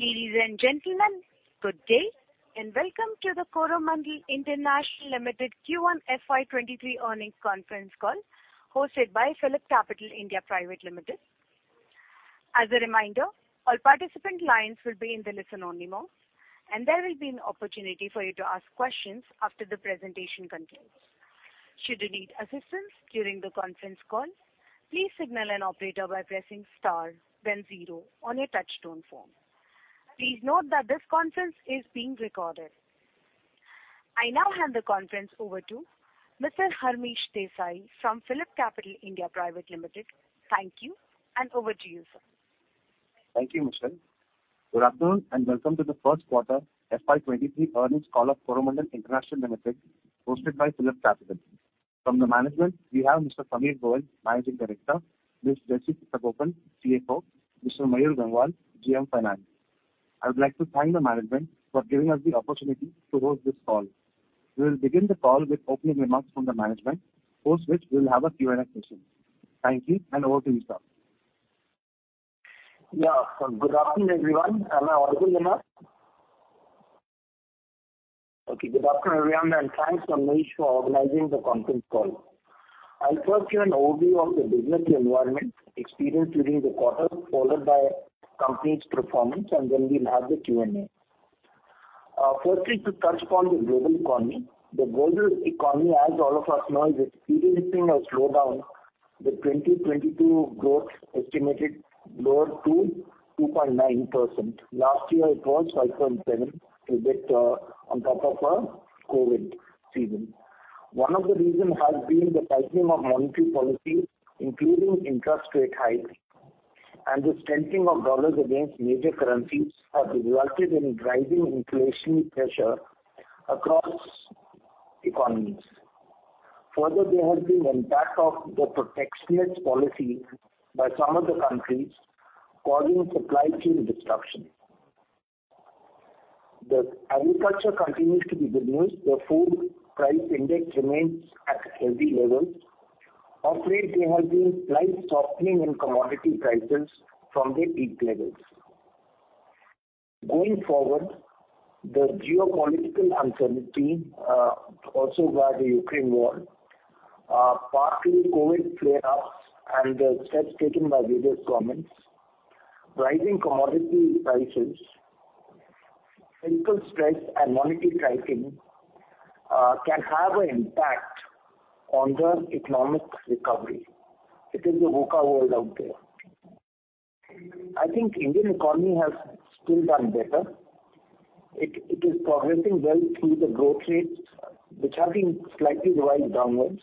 Ladies and gentlemen, good day, and welcome to the Coromandel International Ltd Q1 FY 2023 earnings conference call hosted by PhillipCapital India Private Ltd. As a reminder, all participant lines will be in the listen only mode, and there will be an opportunity for you to ask questions after the presentation concludes. Should you need assistance during the conference call, please signal an operator by pressing star then zero on your touchtone phone. Please note that this conference is being recorded. I now hand the conference over to Mr. Harmish Desai from PhillipCapital India Private Ltd. Thank you, and over to you, sir. Thank you, Michelle. Good afternoon, and welcome to the first quarter FY 2023 earnings call of Coromandel International Limited, hosted by PhillipCapital. From the management, we have Mr. Sameer Goel, Managing Director, Ms. Jayashree Satagopan, CFO, Mr. Mayur Gangwal, GM Finance. I would like to thank the management for giving us the opportunity to host this call. We will begin the call with opening remarks from the management, post which we will have a Q&A session. Thank you, and over to you, sir. Good afternoon, everyone. Am I audible enough? Okay. Good afternoon, everyone, and thanks, Harmish, for organizing the conference call. I'll first give an overview of the business environment experienced during the quarter, followed by company's performance, and then we'll have the Q&A. Firstly, to touch upon the global economy. The global economy, as all of us know, is experiencing a slowdown, with 2022 growth estimated lower to 2.9%. Last year it was 5.7, a bit on top of COVID season. One of the reason has been the tightening of monetary policy, including interest rate hike, and the strengthening of dollars against major currencies have resulted in driving inflationary pressure across economies. Further, there has been impact of the protectionist policy by some of the countries causing supply chain disruptions. The agriculture continues to be good news. The food price index remains at healthy levels. Of late, there has been slight softening in commodity prices from their peak levels. Going forward, the geopolitical uncertainty, also via the Ukraine war, partly COVID flare-ups and the steps taken by various governments, rising commodity prices, financial stress and monetary tightening, can have an impact on the economic recovery. It is a VUCA world out there. I think Indian economy has still done better. It is progressing well through the growth rates, which have been slightly revised downwards.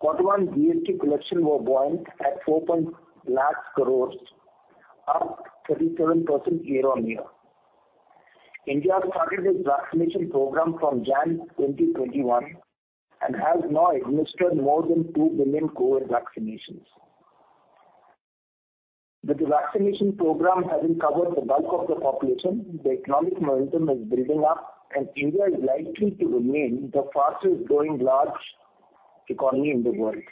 Quarter one GST collections were buoyant at 1.4 lakh crore, up 37% year-on-year. India started its vaccination program from January 2021 and has now administered more than 2 billion COVID vaccinations. With the vaccination program having covered the bulk of the population, the economic momentum is building up and India is likely to remain the fastest growing large economy in the world.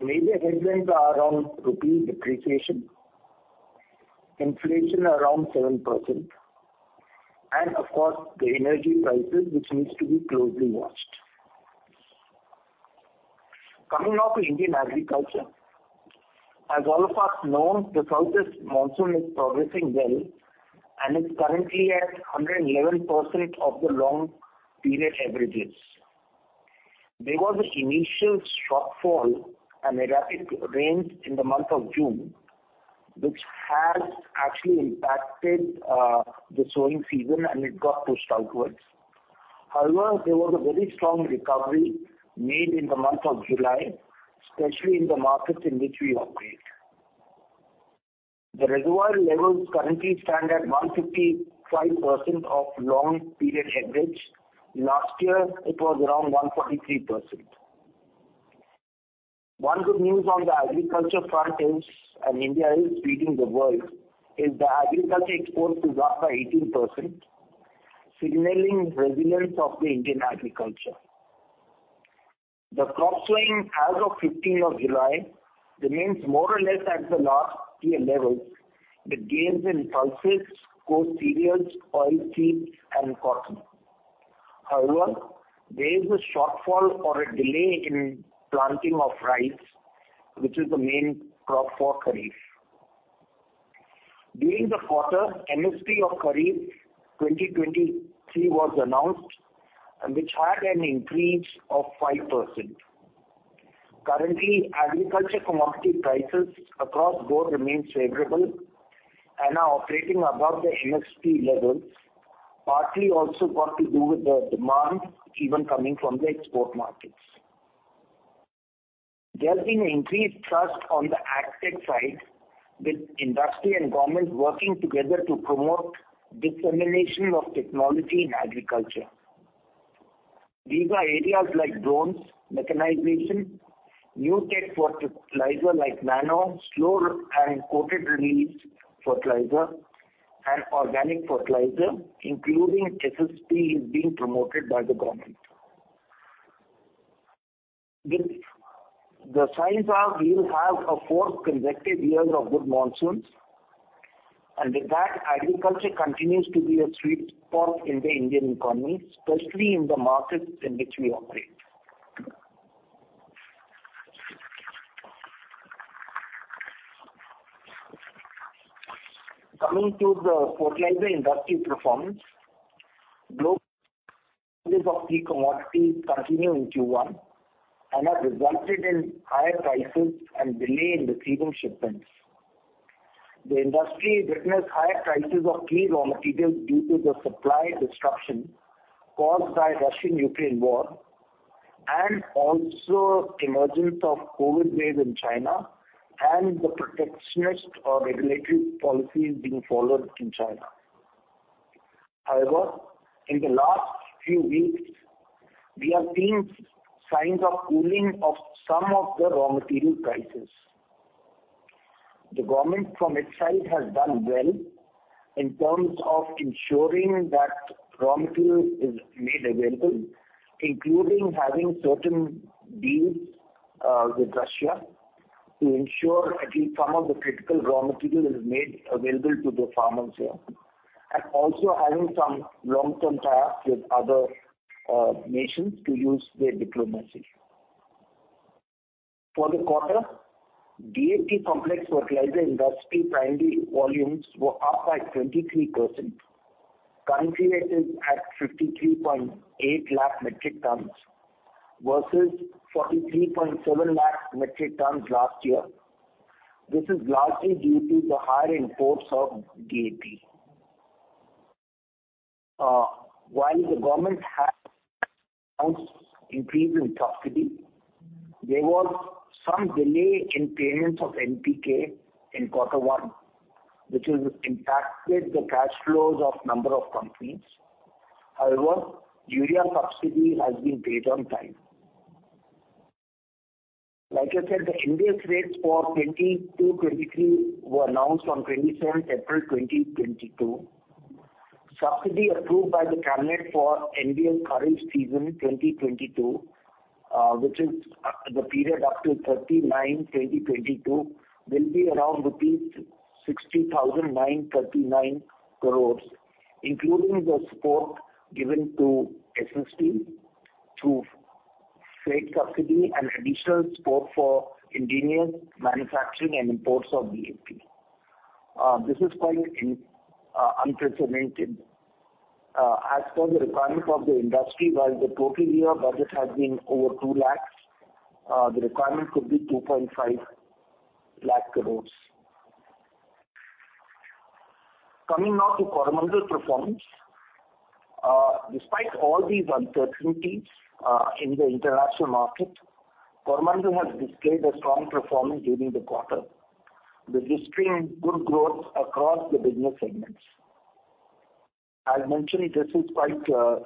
Major headlines are around rupee depreciation, inflation around 7% and of course the energy prices, which needs to be closely watched. Coming now to Indian agriculture. As all of us know, the southwest monsoon is progressing well and is currently at 111% of the long period averages. There was initial shortfall and erratic rains in the month of June, which has actually impacted the sowing season, and it got pushed outwards. However, there was a very strong recovery made in the month of July, especially in the markets in which we operate. The reservoir levels currently stand at 155% of long period average. Last year it was around 143%. One good news on the agriculture front is, and India is feeding the world, is the agricultural exports is up by 18%, signaling resilience of the Indian agriculture. The crop sowing as of 15th of July remains more or less at the last year levels, with gains in pulses, coarse cereals, oilseeds and cotton. However, there is a shortfall or a delay in planting of rice, which is the main crop for Kharif. During the quarter, MSP of Kharif 2023 was announced, which had an increase of 5%. Currently, agricultural commodity prices across the board remain favorable and are operating above the MSP levels, partly also got to do with the demand even coming from the export markets. There has been increased thrust on the agtech side with industry and government working together to promote dissemination of technology in agriculture. These are areas like drones, mechanization, new tech for fertilizer like nano, slow and coated release fertilizer and organic fertilizer, including SSP, is being promoted by the government. With the signs, we will have a fourth consecutive year of good monsoons, and with that, agriculture continues to be a sweet spot in the Indian economy, especially in the markets in which we operate. Coming to the fertilizer industry performance. Global prices of key commodities continued in Q1, and have resulted in higher prices and delays in seasonal shipments. The industry witnessed higher prices of key raw materials due to the supply disruption caused by Russia-Ukraine war and also emergence of COVID wave in China and the protectionist or regulatory policies being followed in China. However, in the last few weeks, we have seen signs of cooling of some of the raw material prices. The government from its side has done well in terms of ensuring that raw material is made available, including having certain deals with Russia to ensure at least some of the critical raw material is made available to the farmers here, and also having some long-term ties with other nations to use their diplomacy. For the quarter, DAP complex fertilizer industry primary volumes were up by 23%, quantitated at 53.8 lakh metric tons versus 43.7 lakh metric tons last year. This is largely due to the higher imports of DAP. While the government had announced increase in subsidy, there was some delay in payments of NPK in quarter one, which has impacted the cash flows of a number of companies. However, urea subsidy has been paid on time. Like I said, the India rates for 2022-2023 were announced on 27th April 2022. Subsidy approved by the cabinet for NBS Kharif season 2022, which is the period up to 30 September 2022, will be around rupees 60,939 crore, including the support given to SSP through state subsidy and additional support for indigenous manufacturing and imports of DAP. This is quite unprecedented. As per the requirement of the industry, while the total year budget has been over 2 lakh crore, the requirement could be 2.5 lakh crore. Coming now to Coromandel performance. Despite all these uncertainties in the international market, Coromandel has displayed a strong performance during the quarter, registering good growth across the business segments. I'll mention this is quite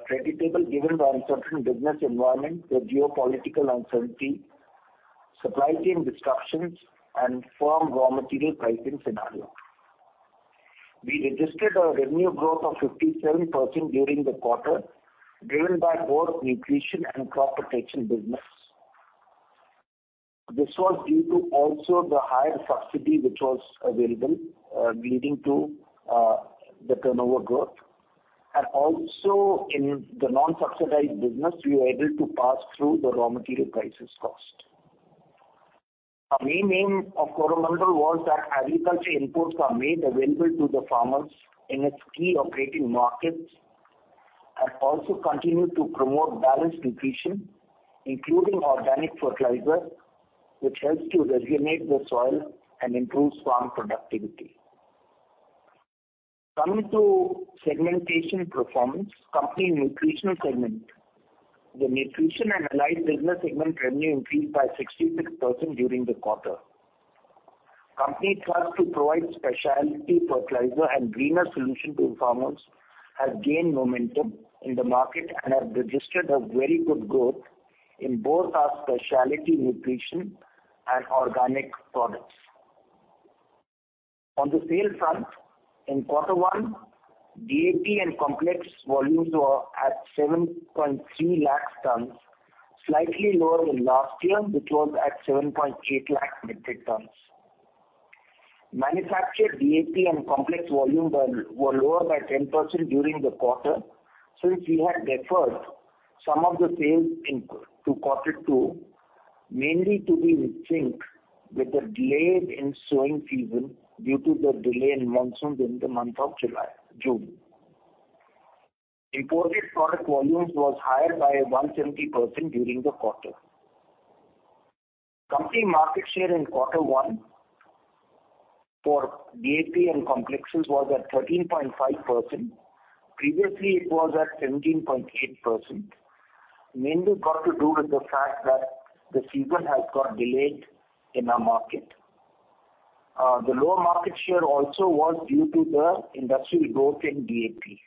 creditable given the uncertain business environment, the geopolitical uncertainty, supply chain disruptions and firm raw material pricing scenario. We registered a revenue growth of 57% during the quarter, driven by both nutrition and crop protection business. This was due to also the higher subsidy which was available, leading to the turnover growth. Also in the non-subsidized business, we were able to pass through the raw material prices cost. Our main aim of Coromandel was that agricultural inputs are made available to the farmers in its key operating markets, and also continue to promote balanced nutrition, including organic fertilizer, which helps to rejuvenate the soil and improves farm productivity. Coming to segmentation performance, company nutritional segment. The Nutrition and Allied Business segment revenue increased by 66% during the quarter. The company's thrust to provide specialty fertilizers and greener solutions to farmers has gained momentum in the market and has registered a very good growth in both our specialty nutrition and organic products. On the sales front, in quarter one, DAP and complex volumes were at 7.3 lakh tons, slightly lower than last year, which was at 7.8 lakh metric tons. Manufactured DAP and complex volume were lower by 10% during the quarter, since we had deferred some of the sales to quarter two, mainly to be in sync with the delay in sowing season due to the delay in monsoons in the month of June. Imported product volumes was higher by 170% during the quarter. Company market share in quarter one for DAP and complexes was at 13.5%. Previously, it was at 17.8%. Mainly got to do with the fact that the season has got delayed in our market. The lower market share also was due to the industrial growth in DAP.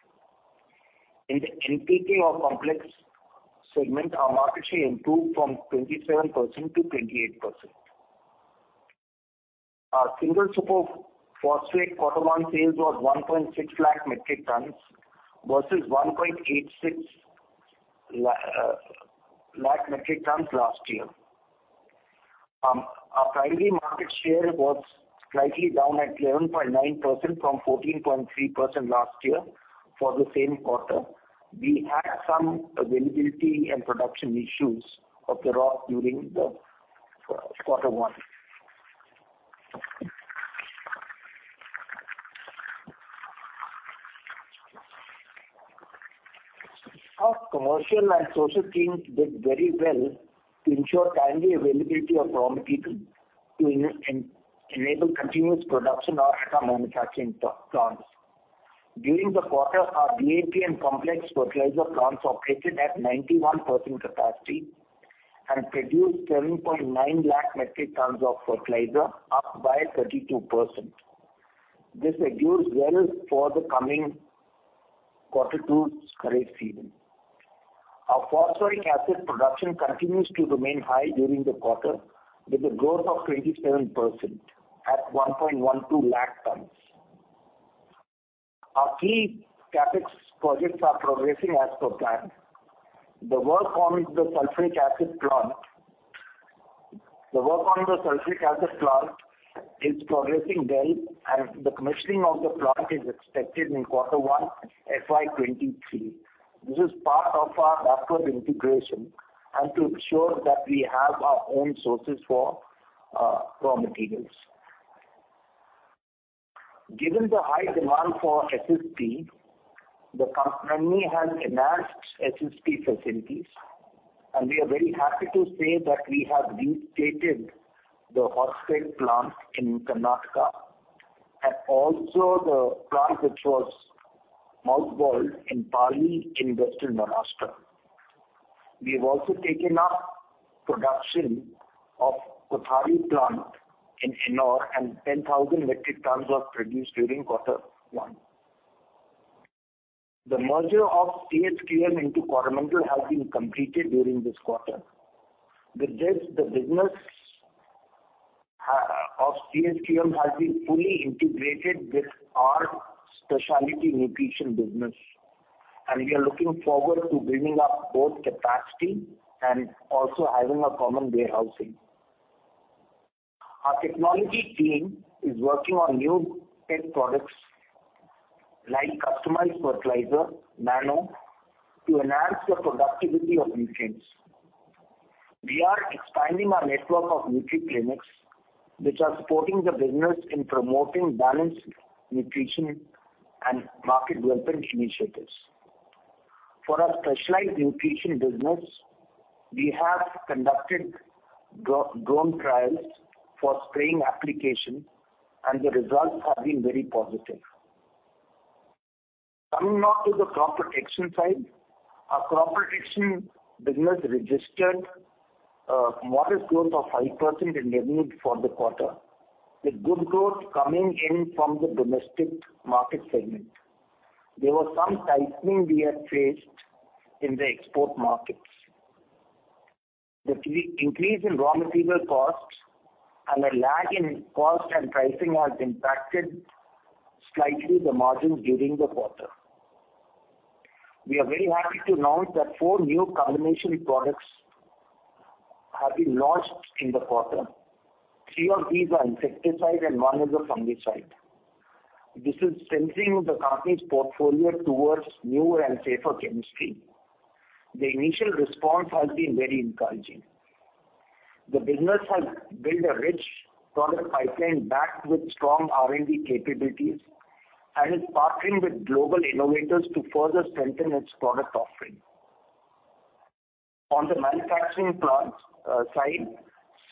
In the NPK or complex segment, our market share improved from 27% to 28%. Our Single Super Phosphate quarter one sales was 1.6 lakh metric tons versus 1.86 lakh metric tons last year. Our primary market share was slightly down at 11.9% from 14.3% last year for the same quarter. We had some availability and production issues of the raw material during the quarter one. Our commercial and social teams did very well to ensure timely availability of raw material to enable continuous production of our manufacturing plants. During the quarter, our DAP and complex fertilizer plants operated at 91% capacity and produced 7.9 lakh metric tons of fertilizer, up by 32%. This bodes well for the coming quarter two current season. Our phosphoric acid production continues to remain high during the quarter with a growth of 27% at 1.12 lakh tons. Our key CapEx projects are progressing as per plan. The work on the sulfuric acid plant is progressing well, and the commissioning of the plant is expected in quarter one FY 2023. This is part of our backward integration and to ensure that we have our own sources for raw materials. Given the high demand for SSP, the company has enhanced SSP facilities, and we are very happy to say that we have reinstated the Hospet plant in Karnataka and also the plant which was mothballed in Pali, in Western Maharashtra. We have also taken up production of Kothari in Ennore, and 10,000 metric tons was produced during quarter one. The merger of CHKM into Coromandel has been completed during this quarter. With this, the business of CHKM has been fully integrated with our specialty nutrition business, and we are looking forward to building up both capacity and also having a common warehousing. Our technology team is working on new tech products like customized fertilizer, nano to enhance the productivity of nutrients. We are expanding our network of Nutri-Clinics, which are supporting the business in promoting balanced nutrition and market development initiatives. For our specialized nutrition business, we have conducted drone trials for spraying application, and the results have been very positive. Coming now to the crop protection side. Our crop protection business registered a modest growth of 5% in revenue for the quarter, with good growth coming in from the domestic market segment. There was some tightening we have faced in the export markets. The increase in raw material costs and a lag in cost and pricing has impacted slightly the margin during the quarter. We are very happy to announce that four new combination products have been launched in the quarter. Three of these are insecticides and one is a fungicide. This is strengthening the company's portfolio towards newer and safer chemistry. The initial response has been very encouraging. The business has built a rich product pipeline backed with strong R&D capabilities and is partnering with global innovators to further strengthen its product offering. On the manufacturing plant side,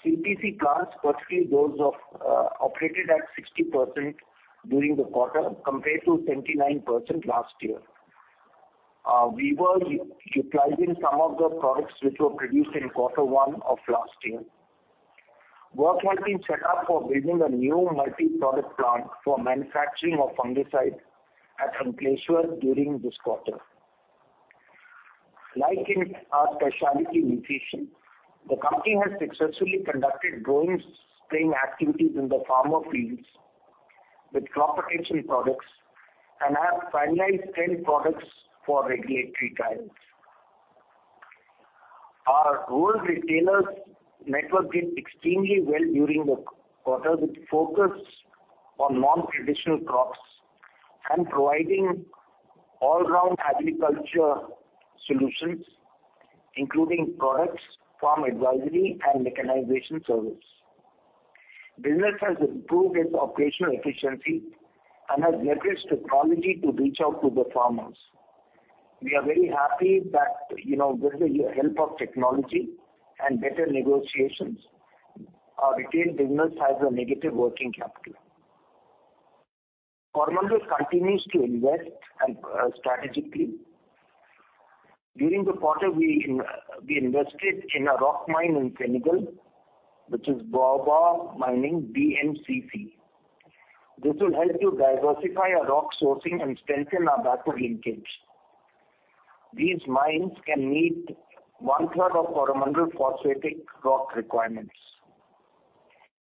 CPC plants, particularly those operated at 60% during the quarter compared to 29% last year. We were utilizing some of the products which were produced in quarter one of last year. Work has been set up for building a new multi-product plant for manufacturing of fungicides at Ankleshwar during this quarter. Like in our specialty nutrition, the company has successfully conducted drone spraying activities in the farmer fields with crop protection products and have finalized 10 products for regulatory trials. Our rural retailers network did extremely well during the quarter, with focus on non-traditional crops and providing all-round agriculture solutions, including products, farm advisory and mechanization service. Business has improved its operational efficiency and has leveraged technology to reach out to the farmers. We are very happy that, you know, with the help of technology and better negotiations, our retail business has a negative working capital. Coromandel continues to invest strategically. During the quarter, we invested in a rock mine in Senegal, which is Baobab Mining, BMCC. This will help to diversify our rock sourcing and strengthen our backward linkage. These mines can meet one third of our mineral phosphatic rock requirements.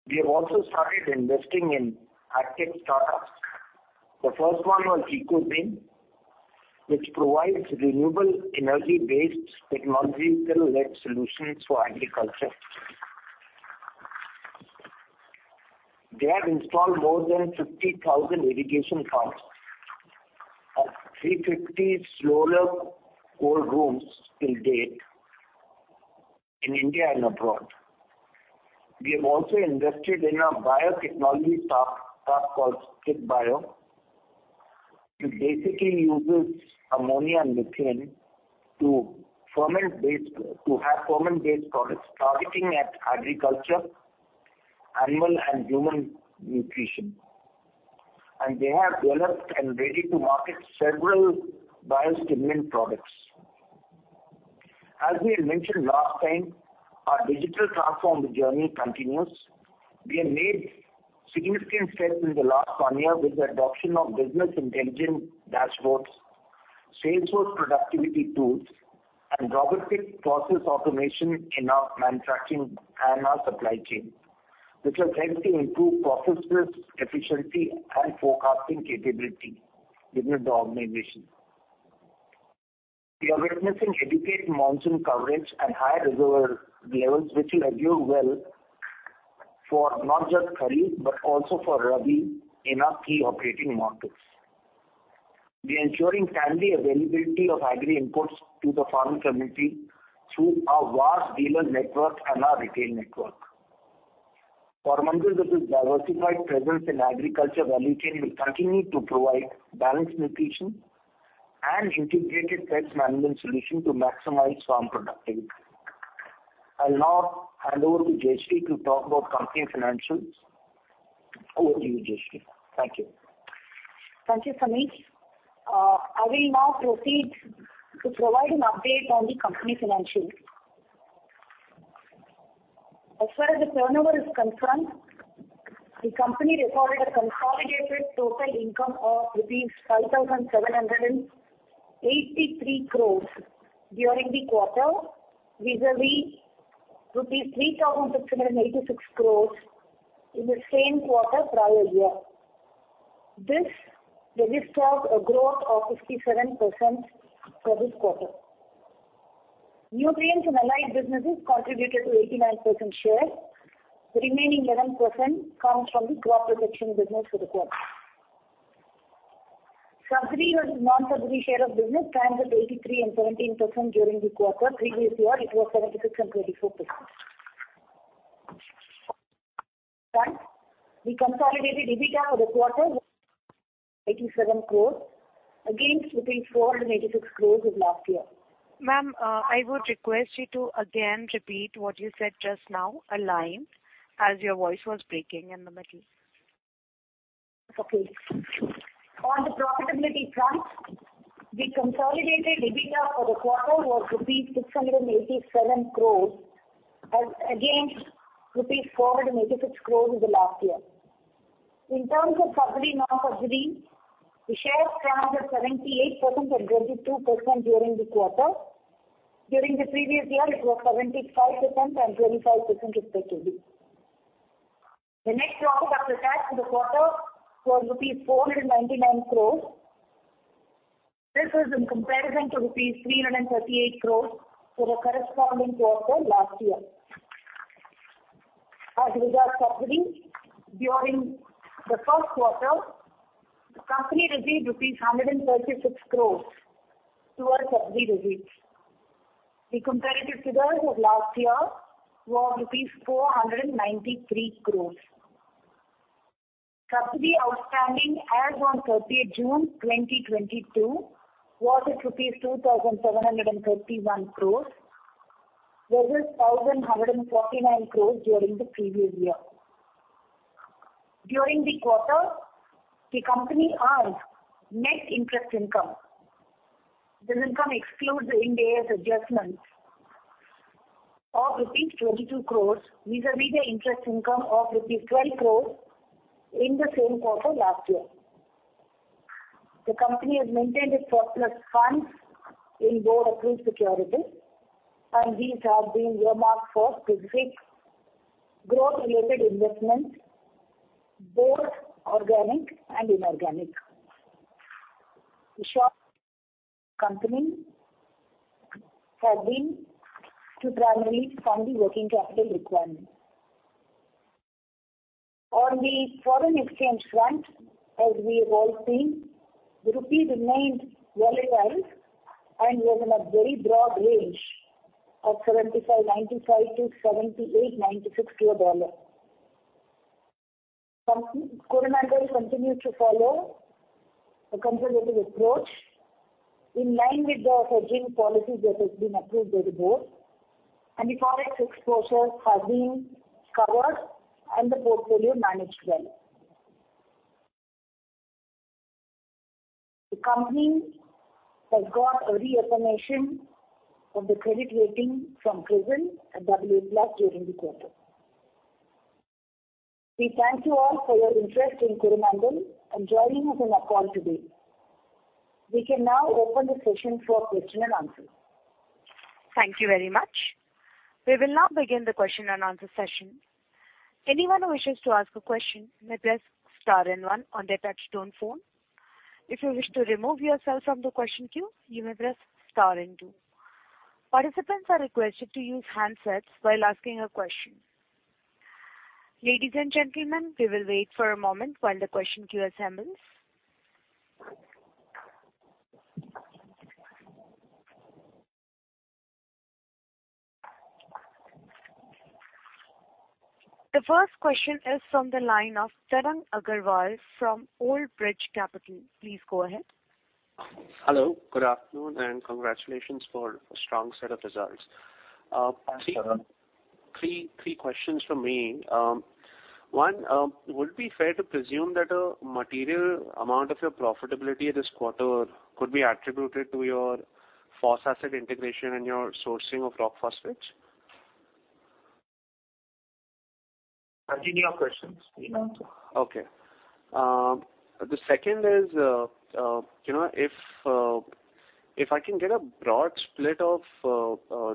We have started investing in active startups. The first one was Ecozen, which provides renewable energy-based technology-led solutions for agriculture. They have installed more than 50,000 irrigation pumps and 350 solar cold rooms till date in India and abroad. We have also invested in a biotechnology startup called String Bio. It basically uses ammonia and methane to have fermentation-based products targeting agriculture, animal and human nutrition. They have developed and ready to market several biosimilar products. As we had mentioned last time, our digital transformation journey continues. We have made significant steps in the last one year with the adoption of business intelligence dashboards, Salesforce productivity tools, and robotic process automation in our manufacturing and our supply chain, which has helped to improve process efficiency and forecasting capability within the organization. We are witnessing adequate monsoon coverage and high reservoir levels, which will augur well for not just Kharif, but also for Rabi in our key operating markets. We are ensuring timely availability of agri inputs to the farm community through our vast dealer network and our retail network. Coromandel with its diversified presence in agriculture value chain will continue to provide balanced nutrition and integrated pest management solution to maximize farm productivity. I'll now hand over to Jayashree Satagopan to talk about company financials. Over to you, Jayashree Satagopan. Thank you. Thank you, Sameer Goel. I will now proceed to provide an update on the company financials. As far as the turnover is concerned, the company recorded a consolidated total income of rupees 5,783 crore during the quarter, vis-à-vis rupees 3,686 crore in the same quarter prior year. This registered a growth of 57% for this quarter. Nutrients and Allied Businesses contributed to 89% share. The remaining 11% comes from the crop protection business for the quarter. Subsidy versus non-subsidy share of business stands at 83% and 17% during the quarter. Previous year it was 76% and 24%. The consolidated EBITDA for the quarter 87 crore against 486 crore of last year. Ma'am, I would request you to again repeat what you said just now, a line, as your voice was breaking in the middle. Okay. On the profitability front, the consolidated EBITDA for the quarter was rupees 687 crore against rupees 486 crore of the last year. In terms of subsidy, non-subsidy, the shares stand at 78% and 22% during this quarter. During the previous year, it was 75% and 25%, respectively. The net profit after tax for the quarter was rupees 499 crore. This is in comparison to rupees 338 crore for the corresponding quarter last year. As regards subsidy, during the first quarter, the company received rupees 136 crore towards subsidy receipts. The comparative figures of last year were rupees 493 crore. Subsidy outstanding as on 30th June 2022 was at rupees 2,731 crore versus 1,149 crore during the previous year. During the quarter, the company earned net interest income. This income excludes the Ind AS adjustments of rupees 22 crore, vis-à-vis the interest income of rupees 12 crore in the same quarter last year. The company has maintained its surplus funds in both approved securities, and these have been earmarked for specific growth-related investments, both organic and inorganic. Short-term borrowings have been used to primarily fund the working capital requirement. On the foreign exchange front, as we have all seen, the rupee remained volatile and was in a very broad range of 75.95-78.96 to a dollar. Coromandel continued to follow a conservative approach in line with the hedging policy that has been approved by the board, and the Forex exposures have been covered and the portfolio managed well. The company has got a reaffirmation of the credit rating from CRISIL and ICRA during the quarter. We thank you all for your interest in Coromandel and joining us on our call today. We can now open the session for question and answer. Thank you very much. We will now begin the question and answer session. Anyone who wishes to ask a question may press star and one on their touch-tone phone. If you wish to remove yourself from the question queue, you may press star and two. Participants are requested to use handsets while asking a question. Ladies and gentlemen, we will wait for a moment while the question queue assembles. The first question is from the line of Tarang Agrawal from Old Bridge Capital Management. Please go ahead. Hello, good afternoon, and congratulations for a strong set of results. Hi, Tarang. Three questions from me. One, would it be fair to presume that a material amount of your profitability this quarter could be attributed to your phosphoric acid integration and your sourcing of rock phosphates? Actually, you have questions. Okay. The second is, you know, if I can get a broad split of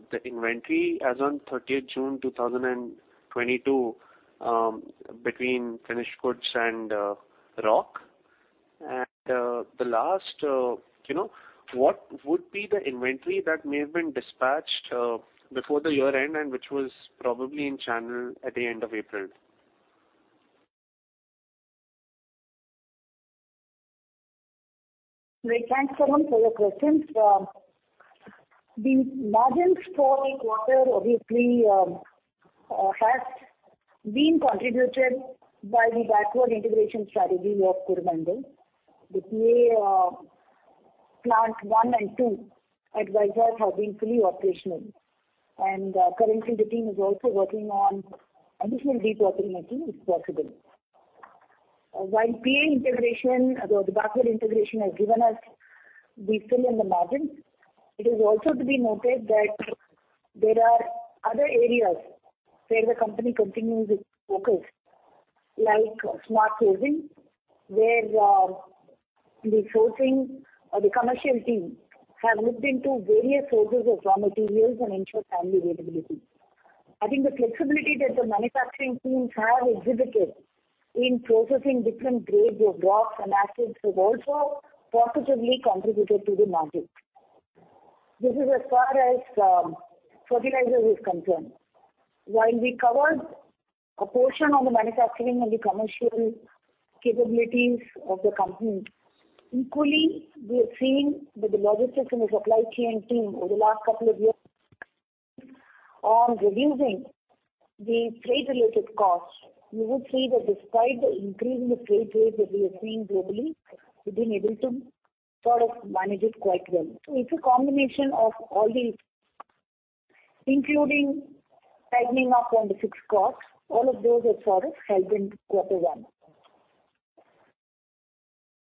the inventory as on 30th June 2022, between finished goods and rock. The last, you know, what would be the inventory that may have been dispatched before the year-end and which was probably in channel at the end of April? Great. Thanks, Tarang, for your questions. The margins for the quarter obviously has been contributed by the backward integration strategy of Coromandel. The PA plant one and two at Vizag have been fully operational. Currently the team is also working on additional debottlenecking if possible. While PA integration or the backward integration has given us the fillip to the margin, it is also to be noted that there are other areas where the company continues its focus, like smart sourcing, where the sourcing or the commercial team have looked into various sources of raw materials and ensured timely availability. I think the flexibility that the manufacturing teams have exhibited in processing different grades of rocks and acids has also positively contributed to the margin. This is as far as fertilizers is concerned. While we covered a portion of the manufacturing and the commercial capabilities of the company, equally we are seeing that the logistics and the supply chain team over the last couple of years on reducing the freight-related costs. You would see that despite the increase in the freight rates that we are seeing globally, we've been able to sort of manage it quite well. It's a combination of all these, including tightening up on the fixed costs. All of those have sort of helped in quarter one.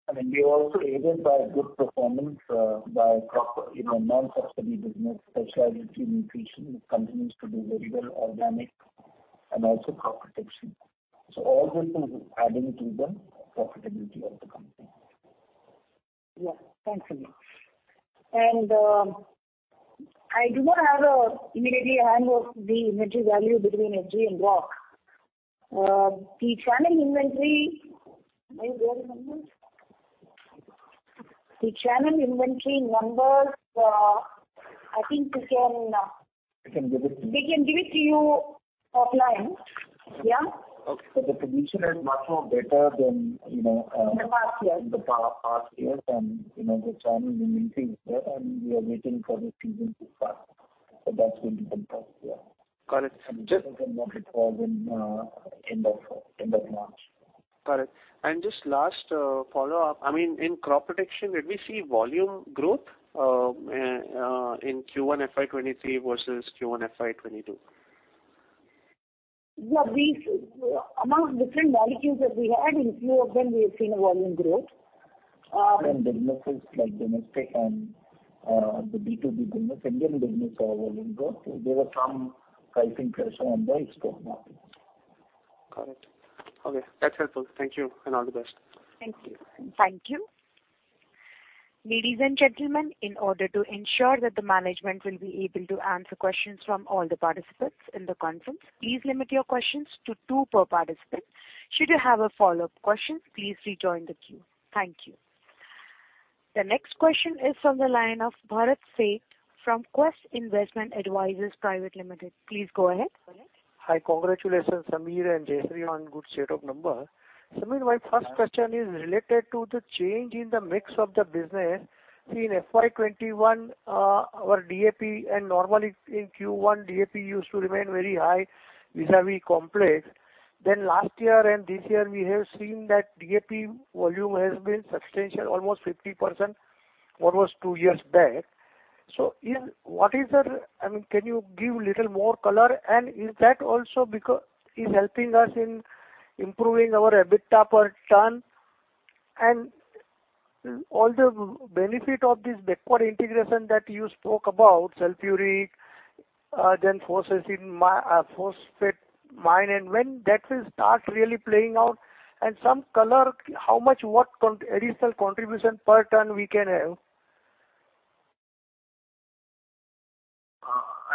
I mean, we're also aided by good performance by crop, you know, non-subsidy business, specialty nutrition, which continues to do very well organic and also crop protection. All this is adding to the profitability of the company. Thanks, Sameer. I do not have immediately at hand the inventory value between FG and rock. The channel inventory. Do you have the numbers? The channel inventory numbers, I think we can. We can give it to you. We can give it to you offline. Yeah. Okay. The position is much more better than, you know, In the past years. In the past years. You know, the channel inventory is there, and we are waiting for the season to start. That's going to be better. Yeah. Correct. Market fall in end of March. Correct. Just last follow-up, I mean, in crop protection, did we see volume growth in Q1 FY 2023 versus Q1 FY 2022? Among different categories that we had, in few of them we have seen a volume growth. Different businesses like domestic and the B2B business, Indian business volume growth. There were some pricing pressure on the export market. Correct. Okay. That's helpful. Thank you, and all the best. Thank you. Thank you. Ladies and gentlemen, in order to ensure that the management will be able to answer questions from all the participants in the conference, please limit your questions to two per participant. Should you have a follow-up question, please rejoin the queue. Thank you. The next question is from the line of Bharat Sheth from Quest Investment Advisors Private Ltd. Please go ahead. Hi. Congratulations, Sameer and Jayashree, on good set of numbers. Sameer, my first question is related to the change in the mix of the business. In FY 2021, our DAP, and normally in Q1 DAP used to remain very high vis-à-vis complex. Then last year and this year we have seen that DAP volume has been substantial, almost 50% almost two years back. I mean, can you give little more color? And is that also helping us in improving our EBITDA per ton? And all the benefit of this backward integration that you spoke about, sulfuric, then processing phosphate mine, and when that will start really playing out and some color, how much, what additional contribution per ton we can have?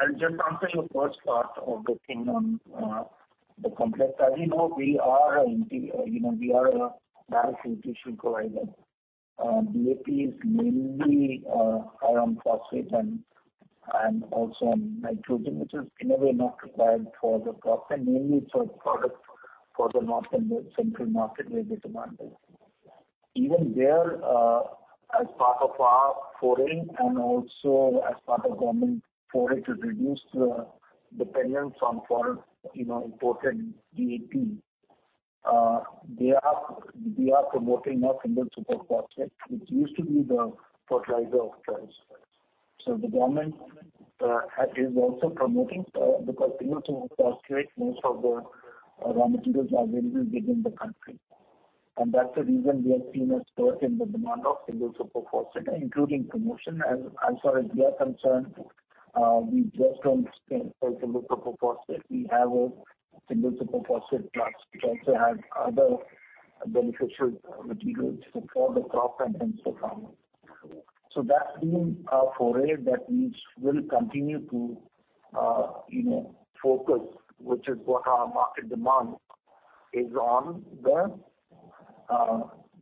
I'll just answer your first part of the thing on the complex. As you know, you know, we are a balanced nutrition provider. DAP is mainly around phosphate and also on nitrogen, which is in a way not required for the crop and mainly it's a product for the northern, central market where the demand is. Even there, as part of our foray and also as part of government foray to reduce the dependence on, you know, imported DAP, they are promoting now Single Super Phosphate, which used to be the fertilizer of choice. So the government is also promoting because Single Super Phosphate, most of the raw materials are available within the country. That's the reason we have seen a spurt in the demand of Single Super Phosphate, including promotion. As far as we are concerned, we just don't sell Single Super Phosphate. We have a Single Super Phosphate plus, which also has other beneficial materials for the crop and hence the farmer. That's been a foray that we will continue to, you know, focus, which is what our market demand is on the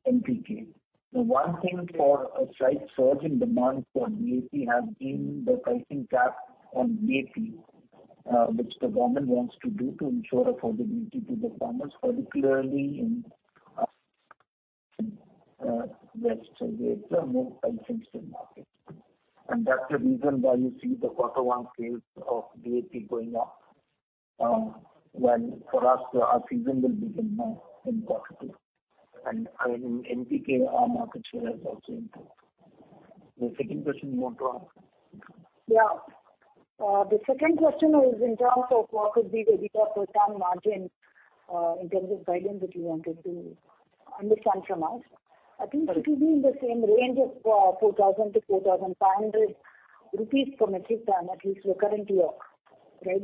NPK. The one thing for a slight surge in demand for DAP has been the pricing cap on DAP, which the government wants to do to ensure affordability to the farmers, particularly in west where there are more price-sensitive markets. That's the reason why you see the quarter one sales of DAP going up, when for us our season will begin now in quarter two. In NPK, our market share has also improved. The second question you want to ask? Yeah. The second question was in terms of what could be the EBITDA per ton margin, in terms of guidance that you wanted to understand from us. I think it will be in the same range of 4,000-4,500 rupees per metric ton, at least recurrently, right?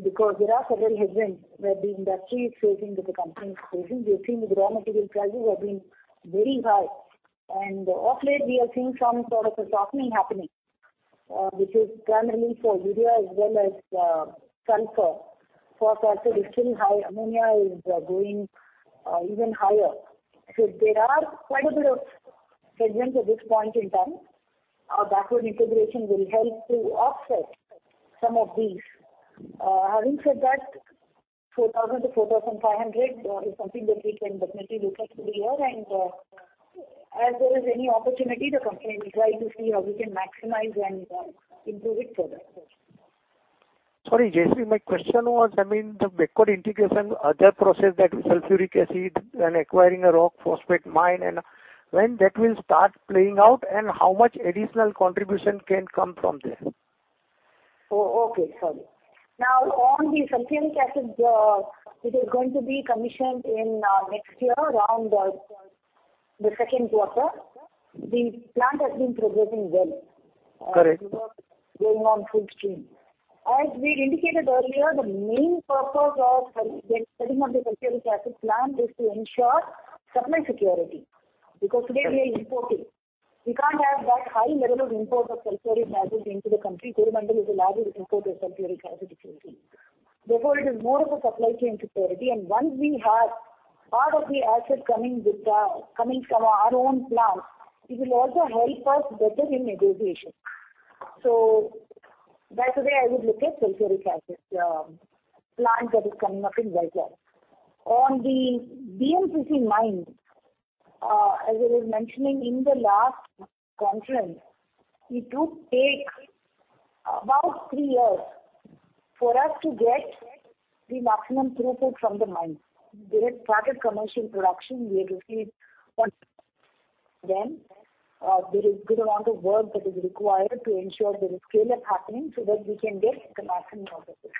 Because there are several headwinds that the industry is facing that the company is facing. We have seen the raw material prices have been very high. Of late we are seeing some sort of softening happening, which is primarily for urea as well as sulfur. Phosphoric is still high. Ammonia is going even higher. So there are quite a bit of headwinds at this point in time. Our backward integration will help to offset some of these. Having said that, 4,000-4,500 is something that we can definitely look at for the year. As there is any opportunity, the company will try to see how we can maximize and improve it further. Sorry, Jayashree. My question was, I mean, the backward integration, other process that sulfuric acid and acquiring a rock phosphate mine and when that will start playing out and how much additional contribution can come from there? Oh, okay. Sorry. Now, on the sulfuric acid, it is going to be commissioned in next year around the second quarter. The plant has been progressing well. Correct. The work going on full steam. As we indicated earlier, the main purpose of setting up the sulfuric acid plant is to ensure supply security, because today we are importing. We can't have that high level of import of sulfuric acid into the country. Coromandel is the largest importer of sulfuric acid in the country. Therefore, it is more of a supply chain security. Once we have part of the acid coming from our own plant, it will also help us better in negotiation. That's the way I would look at sulfuric acid plant that is coming up in Vizag. On the BMCC mine, as I was mentioning in the last conference, it will take about three years for us to get the maximum throughput from the mine. They have started commercial production. We have received on them. There is good amount of work that is required to ensure there is scale-up happening so that we can get the maximum out of it.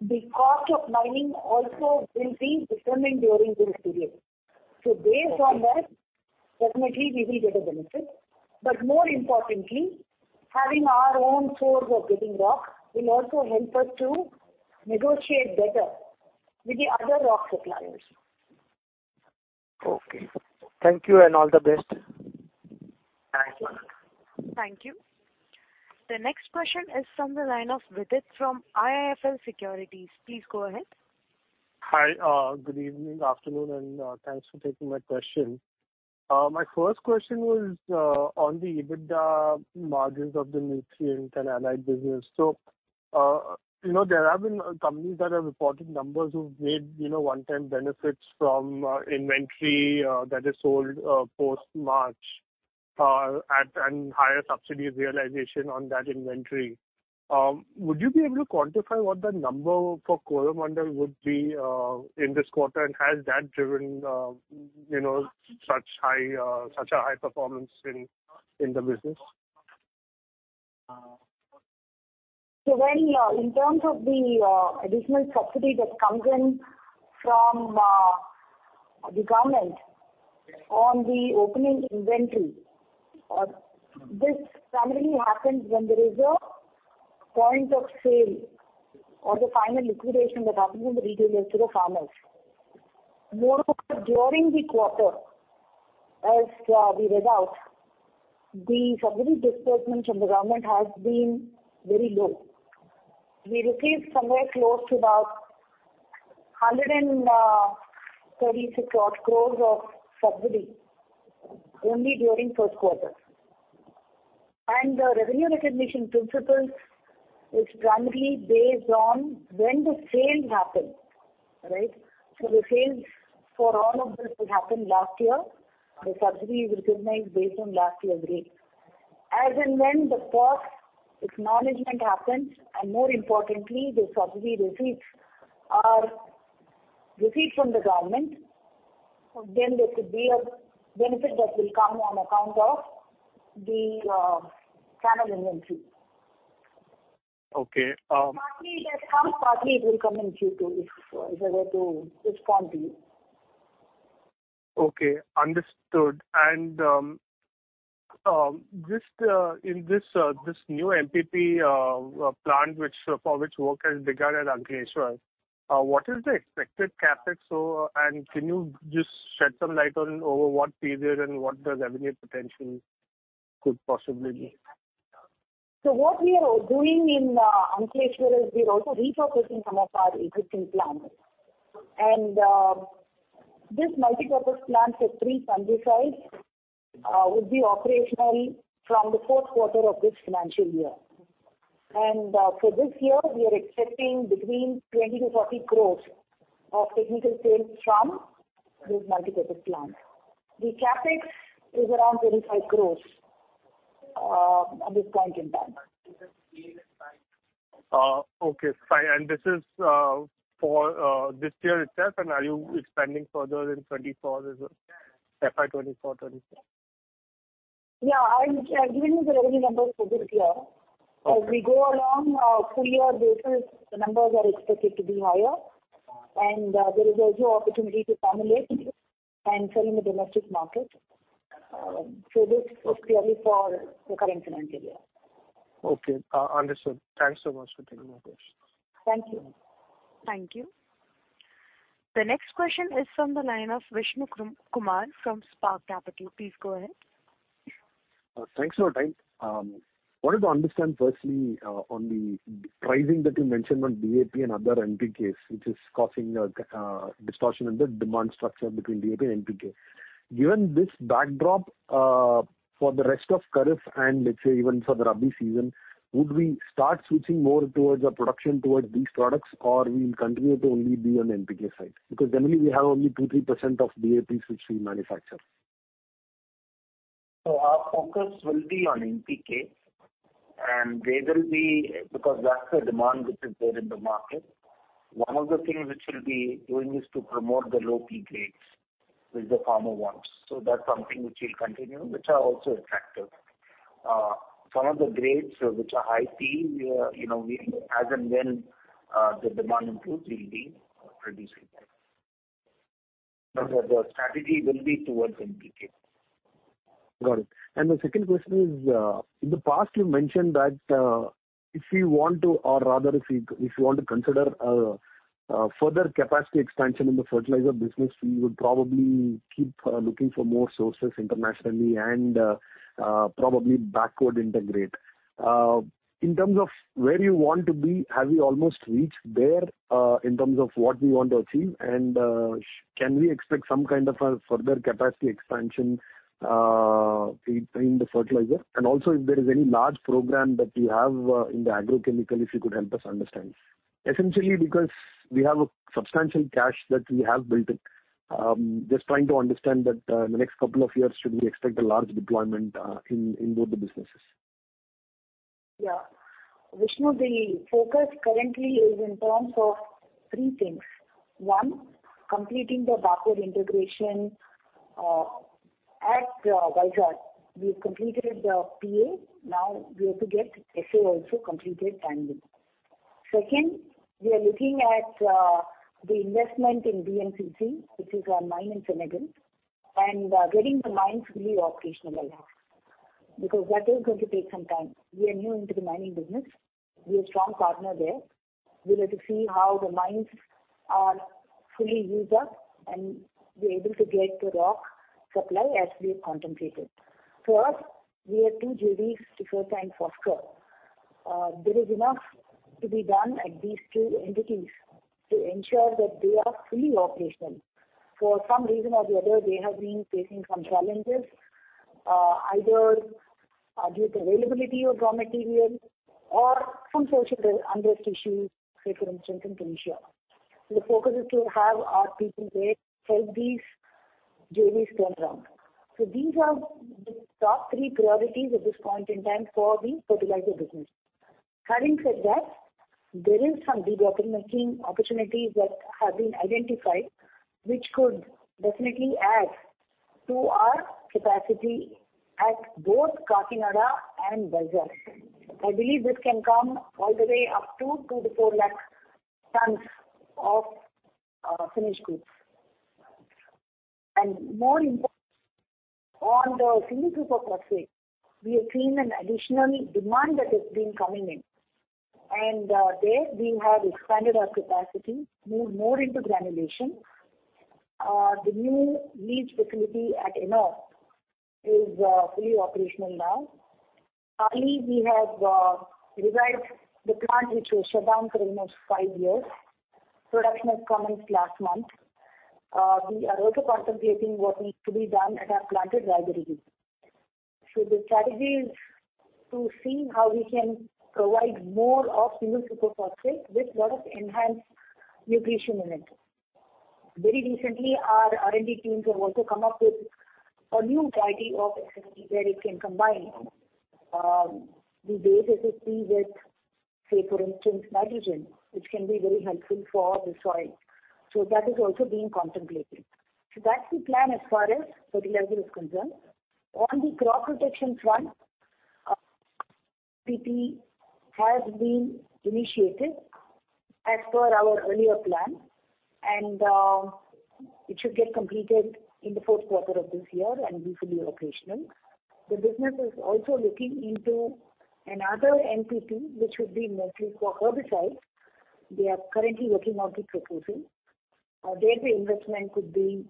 The cost of mining also will be determined during this period. Based on that, definitely we will get a benefit. More importantly, having our own source of getting rock will also help us to negotiate better with the other rock suppliers. Okay. Thank you and all the best. Thanks, Bharat Sheth. Thank you. The next question is from the line of Vidit from IIFL Securities. Please go ahead. Hi. Good evening, afternoon, and thanks for taking my question. My first question was on the EBITDA margins of the nutrient and allied business. You know, there have been companies that have reported numbers who've made, you know, one-time benefits from inventory that is sold post-March at a higher subsidy realization on that inventory. Would you be able to quantify what the number for Coromandel would be in this quarter? And has that driven you know, such a high performance in the business? When, in terms of the additional subsidy that comes in from the government on the opening inventory, this primarily happens when there is a point of sale or the final liquidation that happens in the retailers to the farmers. Moreover, during the quarter, as per the results, the subsidy disbursement from the government has been very low. We received somewhere close to about 136 crore of subsidy only during first quarter. The revenue recognition principles is primarily based on when the sale happened, right? The sales for all of this will happen last year. The subsidy is recognized based on last year rate. As and when the cost acknowledgment happens, and more importantly, the subsidy receipts are received from the government, then there could be a benefit that will come on account of the channel inventory. Okay. Partly it has come, partly it will come in Q2, if I were to respond to you. Okay, understood. This new MPP plant for which work has begun at Ankleshwar, what is the expected CapEx? Can you just shed some light on over what period and what the revenue potential could possibly be? What we are doing in Ankleshwar is we're also repurposing some of our existing plants. This multipurpose plant for three fungicides would be operational from the fourth quarter of this financial year. For this year we are expecting between 20 crore and 30 crore of technical sales from this multipurpose plant. The CapEx is around 25 crore at this point in time. Okay, fine. This is for this year itself, and are you expanding further in 2024 as well, FY 2024/2025? I've given you the revenue numbers for this year. Okay. As we go along, full year basis, the numbers are expected to be higher. There is also opportunity to formulate and sell in the domestic market. This is clearly for the current financial year. Okay. Understood. Thanks so much for taking my questions. Thank you. Thank you. The next question is from the line of Vishnu Kumar from Spark Capital. Please go ahead. Thanks for your time. Wanted to understand firstly, on the pricing that you mentioned on DAP and other NPKs, which is causing a distortion in the demand structure between DAP and NPK. Given this backdrop, for the rest of kharif and let's say even for the Rabi season, would we start switching more towards the production towards these products or we'll continue to only be on NPK side? Because generally we have only 2%-3% of DAPs which we manufacture. Our focus will be on NPK and there will be. Because that's the demand which is there in the market. One of the things which we'll be doing is to promote the low P grades, which the farmer wants. That's something which we'll continue, which are also attractive. Some of the grades which are high P, you know, as and when the demand improves, we'll be producing that. But the strategy will be towards NPK. Got it. The second question is, in the past you've mentioned that if you want to consider further capacity expansion in the fertilizer business, we would probably keep looking for more sources internationally and probably backward integrate. In terms of where you want to be, have you almost reached there in terms of what we want to achieve? Can we expect some kind of a further capacity expansion in the fertilizer? Also if there is any large program that you have in the agrochemical, if you could help us understand. Essentially because we have a substantial cash that we have built in. Just trying to understand that, in the next couple of years should we expect a large deployment in both the businesses? Yeah. Vishnu, the focus currently is in terms of three things. One, completing the backward integration at Vizag. We've completed the PA, now we have to get SA also completed timely. Second, we are looking at the investment in BMCC, which is our mine in Senegal, and getting the mines fully operationalized, because that is going to take some time. We are new into the mining business. We have strong partner there. We have to see how the mines are fully used up and we're able to get the rock supply as we have contemplated. Plus, we have two JVs with Foskor. There is enough to be done at these two entities to ensure that they are fully operational. For some reason or the other, they have been facing some challenges, either due to availability of raw material or some social unrest issues, say for instance in Tunisia. The focus is to have our people there help these JVs turn around. These are the top three priorities at this point in time for the fertilizer business. Having said that, there is some de-bottlenecking opportunities that have been identified which could definitely add to our capacity at both Kakinada and Vizag. I believe this can come all the way up to 2 lakh tons-4 lakh tons of finished goods. On the Single Super Phosphate, we have seen an additional demand that has been coming in. There we have expanded our capacity, moved more into granulation. The new leach facility at Ennore is fully operational now. At Pali we have revived the plant which was shut down for almost five years. Production has commenced last month. We are also contemplating what needs to be done at our plant at Rangiri. The strategy is to see how we can provide more of Single Super Phosphate with lot of enhanced nutrition in it. Very recently, our R&D teams have also come up with a new variety of SSP where it can combine the base SSP with, say, for instance, nitrogen, which can be very helpful for the soil. That is also being contemplated. That's the plan as far as fertilizer is concerned. On the crop protection front, MPP has been initiated as per our earlier plan, and it should get completed in the fourth quarter of this year and be fully operational. The business is also looking into another MPP, which would be mostly for herbicides. They are currently working out the proposal. Their investment could be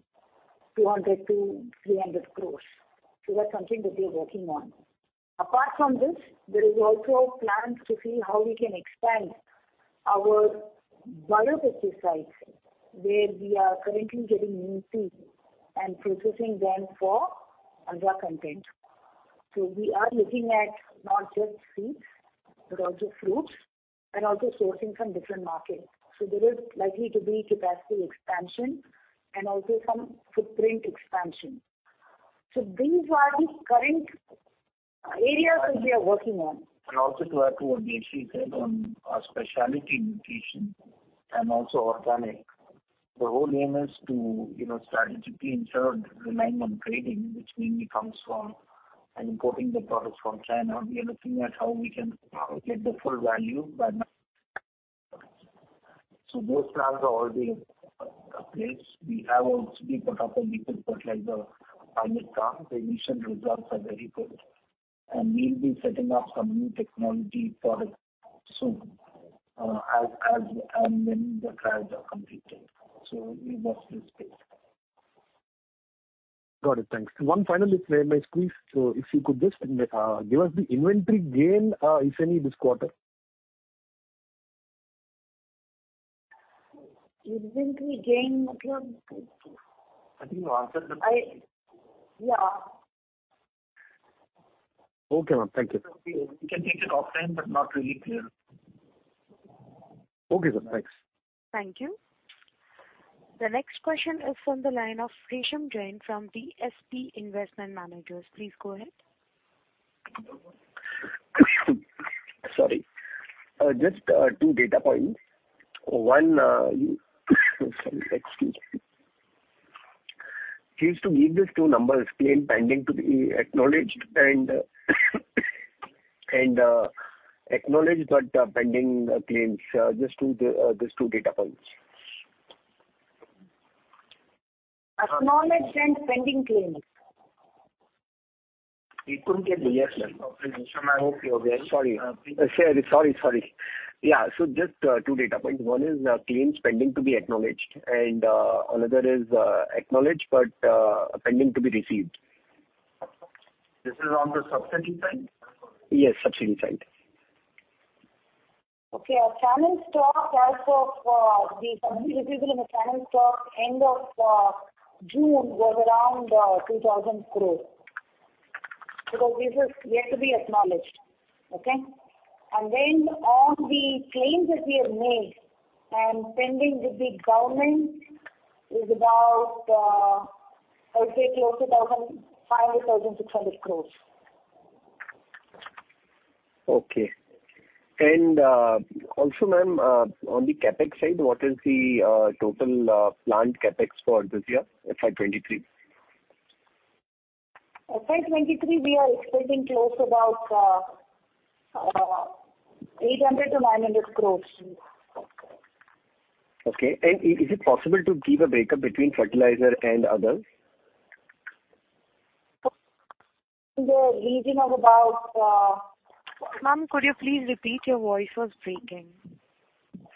200 crore-300 crore. That's something that they're working on. Apart from this, there is also plans to see how we can expand our biopesticides, where we are currently getting new seed and processing them for other content. We are looking at not just seeds, but also fruits and also sourcing from different markets. There is likely to be capacity expansion and also some footprint expansion. These are the current areas that we are working on. Also to add to what Jayashree said on our specialty nutrition and also organic, the whole aim is to, you know, strategically ensure that relying on trading, which mainly comes from and importing the products from China, we are looking at how we can get the full value by. Those plans are already in place. We have also been put up a liquid fertilizer pilot plant. The initial results are very good. We'll be setting up some new technology products soon, as and when the trials are completed. We watch this space. Got it. Thanks. One final, if I may, squeeze. If you could just give us the inventory gain, if any, this quarter. Inventory gain I think you answered them. Yeah. Okay, ma'am. Thank you. We can take it offline, but not really clear. Okay, sir. Thanks. Thank you. The next question is from the line of Resham Jain from DSP Investment Managers. Please go ahead. Sorry. Just two data points. Excuse me. Please give these two numbers, claims pending to be acknowledged and acknowledged but pending claims. Just two data points. Acknowledged and pending claims. We couldn't get the- Yes, ma'am. I hope you're well. Sorry. Yeah. Just two data points. One is claims pending to be acknowledged, and another is acknowledged, but pending to be received. This is on the subsidy side? Yes, subsidy side. Okay. Our channel stock as of the subsidy received in the channel stock end of June was around 2,000 crore. Because this is yet to be acknowledged. On the claims that we have made and pending with the government is about, I'd say close to 1,500 crore-1,600 crore. Okay. Also, ma'am, on the CapEx side, what is the total planned CapEx for this year, FY 2023? FY 2023, we are expecting close to about INR 800 crore-INR 900 crore. Okay. Is it possible to give a break-up between fertilizer and others? In the region of about. Ma'am, could you please repeat? Your voice was breaking.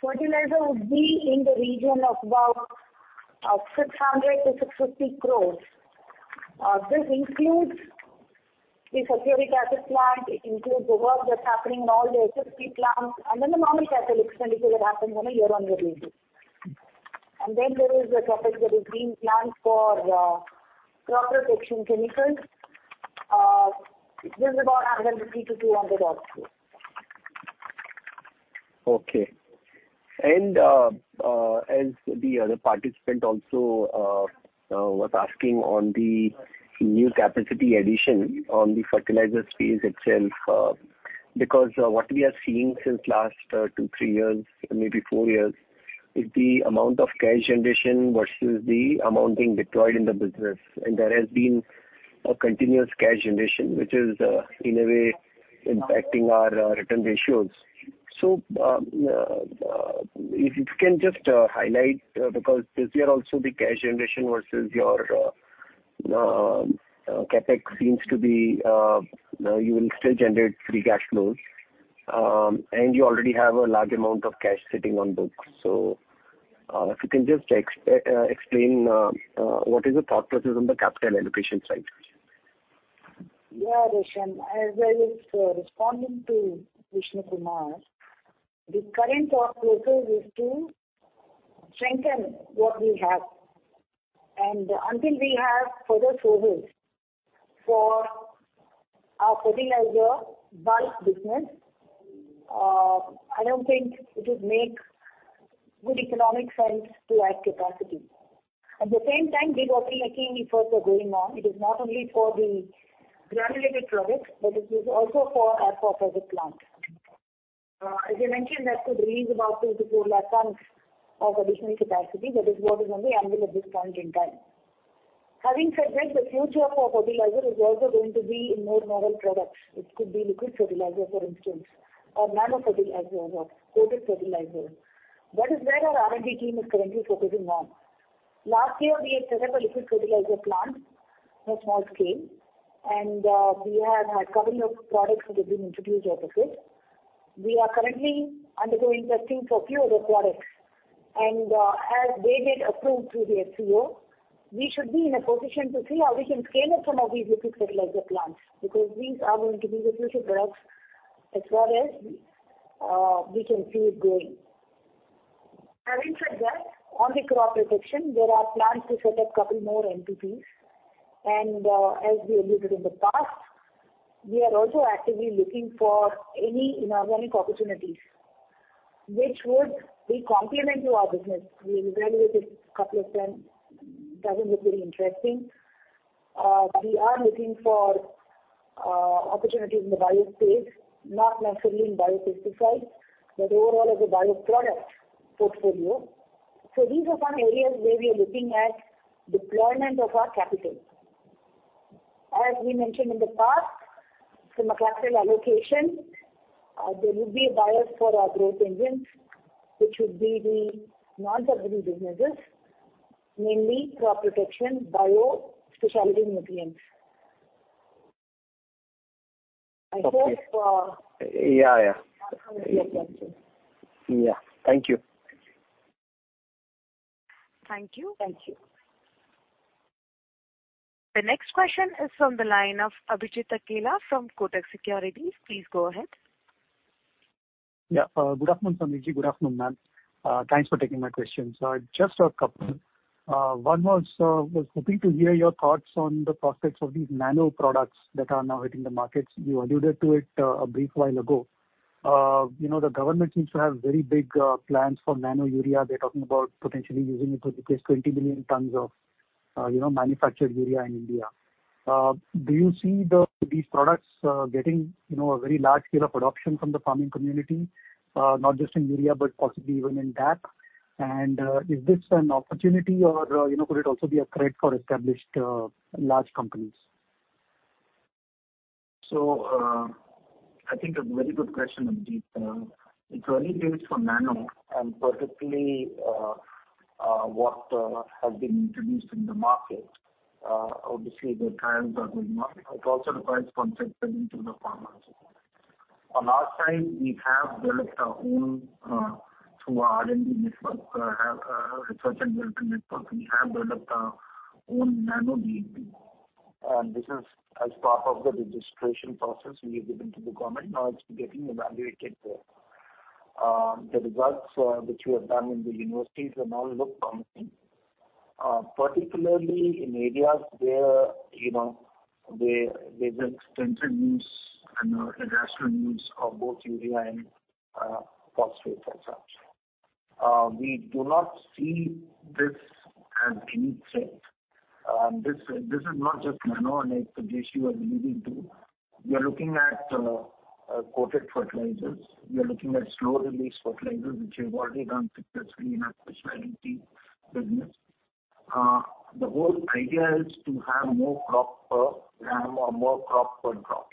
Fertilizer would be in the region of about 600 crore-650 crore. This includes the Satwari captive plant. It includes the work that's happening in all the SSP plants, and then the normal capital expenditure that happens on a year-on-year basis. There is a CapEx that is being planned for crop protection chemicals. This is about 150-200 odd crore. Okay. As the other participant also was asking on the new capacity addition on the fertilizer space itself, because what we are seeing since last 2, 3 years, maybe 4 years, is the amount of cash generation versus the amount being deployed in the business. There has been a continuous cash generation, which is in a way impacting our return ratios. If you can just highlight, because this year also the cash generation versus your CapEx seems to be you will still generate free cash flows. You already have a large amount of cash sitting on books. If you can just explain what is the thought process on the capital allocation side? Yeah, Resham Jain. As I was responding to Vishnu Kumar, the current thought process is to strengthen what we have. Until we have further silos for our fertilizer bulk business, I don't think it would make good economic sense to add capacity. At the same time, big bottlenecking efforts are going on. It is not only for the granulated products, but it is also for our phosphate plant. As I mentioned, that could release about 2-4 lakh tons of additional capacity. That is what is on the anvil at this point in time. Having said that, the future of our fertilizer is also going to be in more novel products. It could be liquid fertilizer, for instance, or nano fertilizer or coated fertilizer. That is where our R&D team is currently focusing on. Last year, we had set up a liquid fertilizer plant on a small scale, and we have had couple of products which have been introduced out of it. We are currently undergoing testing for few other products. As they get approved through the FCO, we should be in a position to see how we can scale up some of these liquid fertilizer plants, because these are going to be the future products as far as we can see it going. Having said that, on the crop protection, there are plans to set up couple more entities. As we alluded in the past, we are also actively looking for any inorganic opportunities which would be complementary to our business. We evaluated couple of them, doesn't look very interesting. We are looking for opportunities in the bio space, not necessarily in biopesticides, but overall as a bioproduct portfolio. These are some areas where we are looking at deployment of our capital. As we mentioned in the past, from a capital allocation, there would be a bias for our growth engines, which would be the non-fertilizer businesses, mainly crop protection, bio, specialty nutrients. I hope. Yeah, yeah. That covers your question. Yeah. Thank you. Thank you. The next question is from the line of Abhijit Akella from Kotak Securities. Please go ahead. Yeah. Good afternoon, Sameer Goel. Good afternoon, ma'am. Thanks for taking my questions. Just a couple. One was hoping to hear your thoughts on the prospects of these nano products that are now hitting the markets. You alluded to it a brief while ago. You know, the government seems to have very big plans for Nano Urea. They're talking about potentially using it to replace 20 million tons of manufactured urea in India. Do you see these products getting a very large scale of adoption from the farming community, not just in urea, but possibly even in DAP? And is this an opportunity or could it also be a threat for established large companies? I think a very good question, Abhijit Akella. It's early days for nano and particularly what has been introduced in the market. Obviously the trials are going on. It also requires conceptually to the farmers. Last time we have built our own through our R&D network, research and development network, we have built up our own Nano DAP. This is as part of the registration process we have given to the government. Now it's getting evaluated there. The results which we have done in the universities now look promising, particularly in areas where you know there's extensive use and irrational use of both urea and phosphate as such. We do not see this as any threat. This is not just nano and like, Abhijit Akela, you are alluding to. We are looking at coated fertilizers. We are looking at slow-release fertilizers, which we have already done successfully in our specialty business. The whole idea is to have more crop per gram or more crop per drop.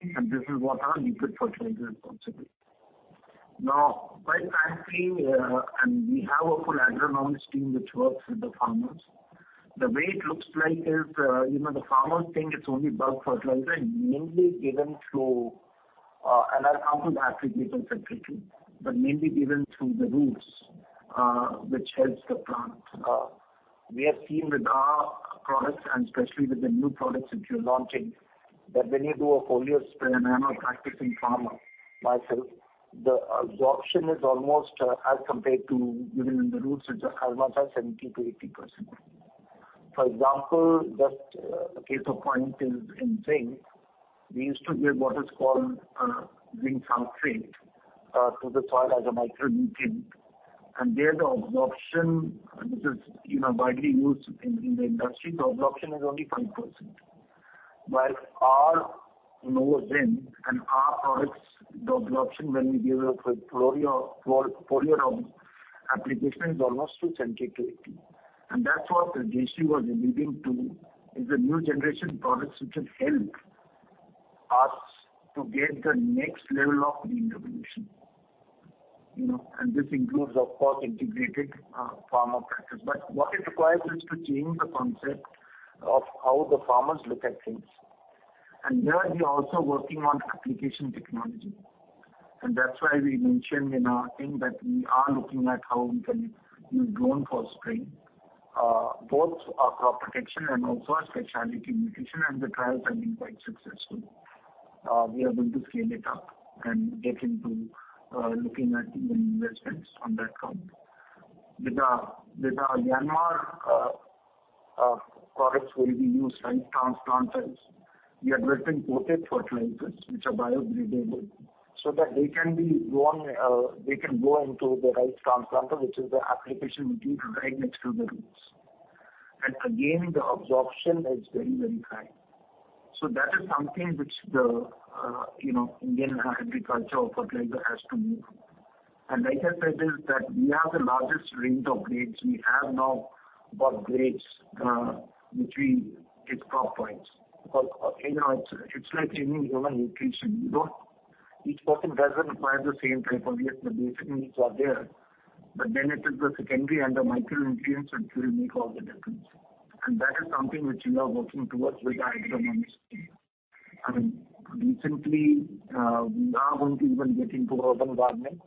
This is what our liquid fertilizer is also doing. Now, by planting, and we have a full agronomist team which works with the farmers. The way it looks like is, you know, the farmers think it's only bulk fertilizer and mainly given through, and I come from the agriculture sector too, but mainly given through the roots, which helps the plant. We have seen with our products and especially with the new products which we are launching, that when you do a foliar spray, and I'm a practicing farmer myself, the absorption is almost as compared to even in the roots, it's almost at 70%-80%. For example, just as a case in point is in zinc, we used to give what is called, zinc sulfate, to the soil as a micronutrient. The absorption, which is, you know, widely used in the industry, the absorption is only 5%. While our Novozymes and our products, the absorption when we give it for foliar applications, almost 250. That's what Jayashree was alluding to, is the new generation products which will help us to get the next level of intervention. You know, this includes, of course, integrated farmer practice. But what it requires is to change the concept of how the farmers look at things. There we are also working on application technology. That's why we mentioned in our thing that we are looking at how we can use drone for spraying both our crop protection and also our specialty nutrition, and the trials have been quite successful. We are going to scale it up and get into looking at doing investments on that count. With our Yanmar products will be used rice transplanters. We have developed imported fertilizers which are biodegradable so that they can grow into the rice transplanter, which is the application will be right next to the roots. Again, the absorption is very, very high. That is something which the, you know, Indian agriculture or fertilizer has to move. Like I said, is that we have the largest range of grades. We have now about grades between six crop points. Because, you know, it's like any human nutrition. You don't. Each person doesn't require the same type of grade. The basic needs are there, but then it is the secondary and the micronutrients which will make all the difference. That is something which we are working towards with our R&D team. Recently, we are going to even get into urban gardening,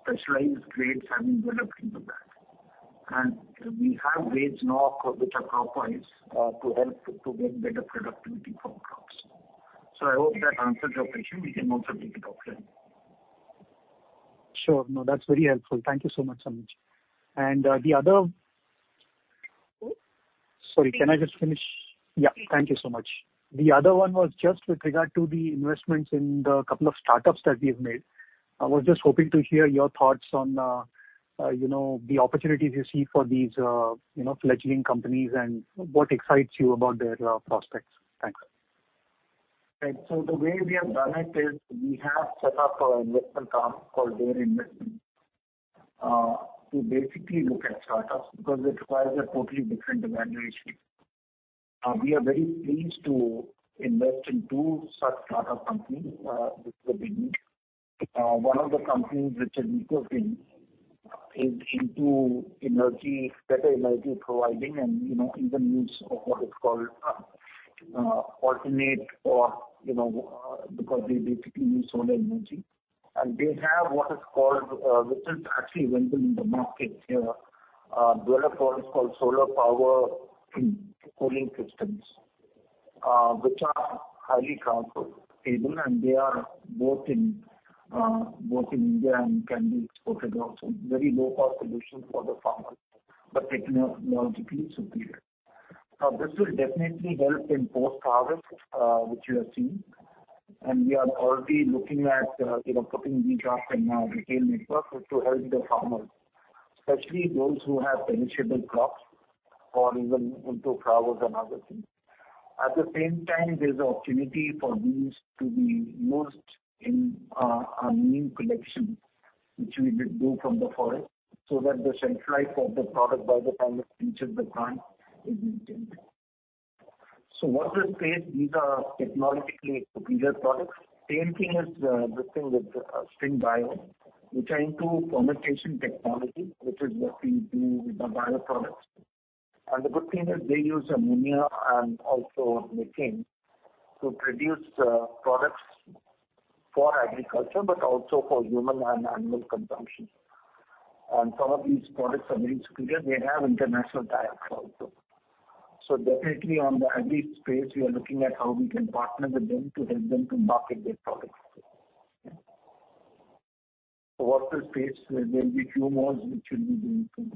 specialized grades have been developed into that. We have grades now which are crop wise, to help to get better productivity for crops. I hope that answers your question. We can also take it offline. Sure. No, that's very helpful. Thank you so much, Sameer Goel. The other. Sorry. Sorry, can I just finish? Yeah. Thank you so much. The other one was just with regard to the investments in the couple of startups that we have made. I was just hoping to hear your thoughts on, you know, the opportunities you see for these, you know, fledgling companies and what excites you about their, prospects. Thanks. Right. The way we have done it is we have set up an investment arm called Dare Investments Limited to basically look at startups because it requires a totally different evaluation. We are very pleased to invest in two such startup companies to begin with. One of the companies which we have invested in is into energy, better energy providing and, you know, even use of what is called alternative energy, you know, because they basically use solar energy. They have developed what is called solar power cooling systems, which are highly transferable. They are both in India and can be exported also. Very low-cost solution for the farmer, but technologically superior. Now, this will definitely help in post-harvest, which we have seen, and we are already looking at, you know, putting these up in our retail network to help the farmers, especially those who have perishable crops or even into flowers and other things. At the same time, there's an opportunity for these to be used in, our new collection, which we will do from the forest, so that the shelf life of the product by the farmer reaches the client is maintained. So watch this space. These are technologically superior products. Same thing is the thing with String Bio, which are into fermentation technology, which is what we do with the bioproducts. The good thing is they use ammonia and also methane to produce, products for agriculture but also for human and animal consumption. Some of these products are very superior. They have international tie-ups also. Definitely on the agri space, we are looking at how we can partner with them to help them to market their products. Watch this space. There will be few more which will be doing soon.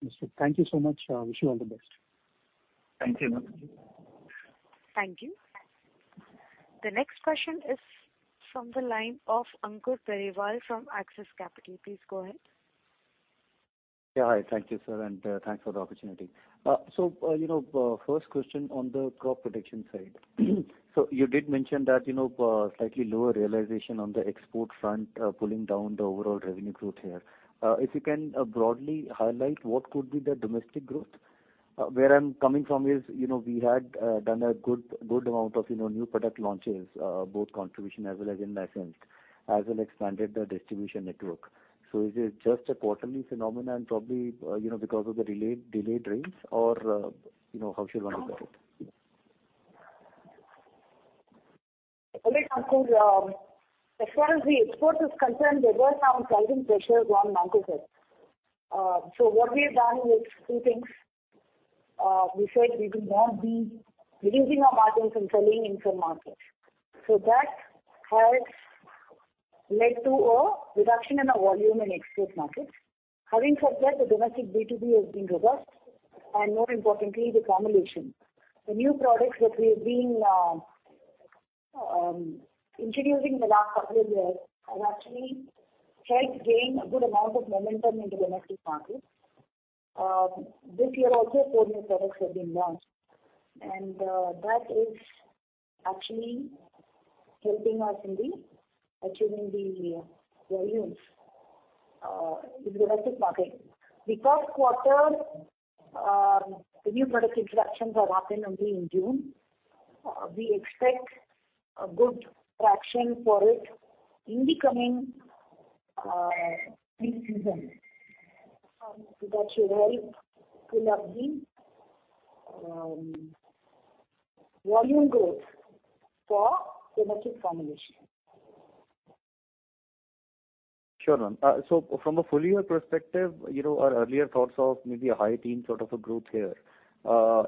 Yes, sir. Thank you so much. Wish you all the best. Thank you. Thank you. The next question is from the line of Ankur Periwal from Axis Capital. Please go ahead. Yeah. Hi. Thank you, sir, and thanks for the opportunity. You know, first question on the crop protection side. You did mention that, you know, slightly lower realization on the export front, pulling down the overall revenue growth here. If you can, broadly highlight what could be the domestic growth. Where I'm coming from is, you know, we had done a good amount of, you know, new product launches, both contribution as well as in nascent, as well expanded the distribution network. Is it just a quarterly phenomenon probably, you know, because of the delayed rains or, you know, how should one look at it? Okay, Ankur. As far as the export is concerned, there were some pricing pressures on nitrogen. What we have done is two things. We said we will not be reducing our margins and selling in some markets. That has led to a reduction in our volume in export markets. Having said that, the domestic B2B has been robust. More importantly, the formulation. The new products that we have been introducing in the last couple of years have actually helped gain a good amount of momentum in the domestic market. This year also four new products have been launched, and that is actually helping us in achieving the volumes in the domestic market. Because quarter, the new product introductions are happening only in June, we expect a good traction for it in the coming pre-season. That should help fill up the volume growth for domestic formulation. Sure, ma'am. From a full year perspective, you know, our earlier thoughts of maybe a high teen sort of a growth here,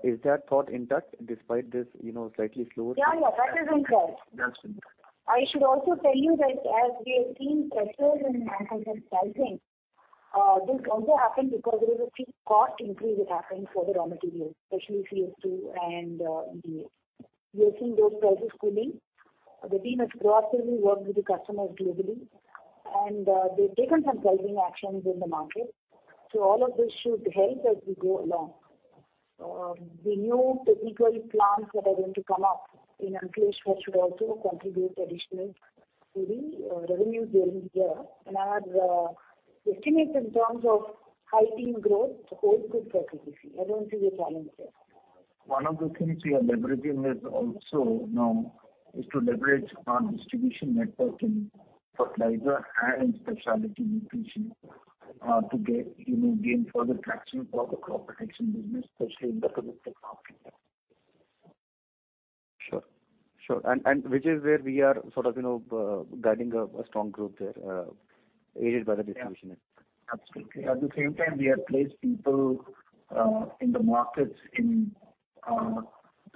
is that thought intact despite this, you know, slightly slower. Yeah, yeah. That is intact. That's intact. I should also tell you that as we have seen pressures in margins and sizing, this also happened because there is a steep cost increase that happened for the raw materials, especially CO2 and MIDA. We are seeing those prices cooling. The team has proactively worked with the customers globally and they've taken some pricing actions in the market. So all of this should help as we go along. The new technical plants that are going to come up in Ankleshwar should also contribute additional, maybe, revenue during the year. Our estimate in terms of high teen growth holds good for CPC. I don't see a challenge there. One of the things we are leveraging is also now is to leverage our distribution network in fertilizer and specialty nutrition, to get, you know, gain further traction for the crop protection business, especially in the domestic market. Sure. Which is where we are sort of, you know, guiding a strong growth there, aided by the distribution network. Yeah. Absolutely. At the same time, we have placed people in the markets in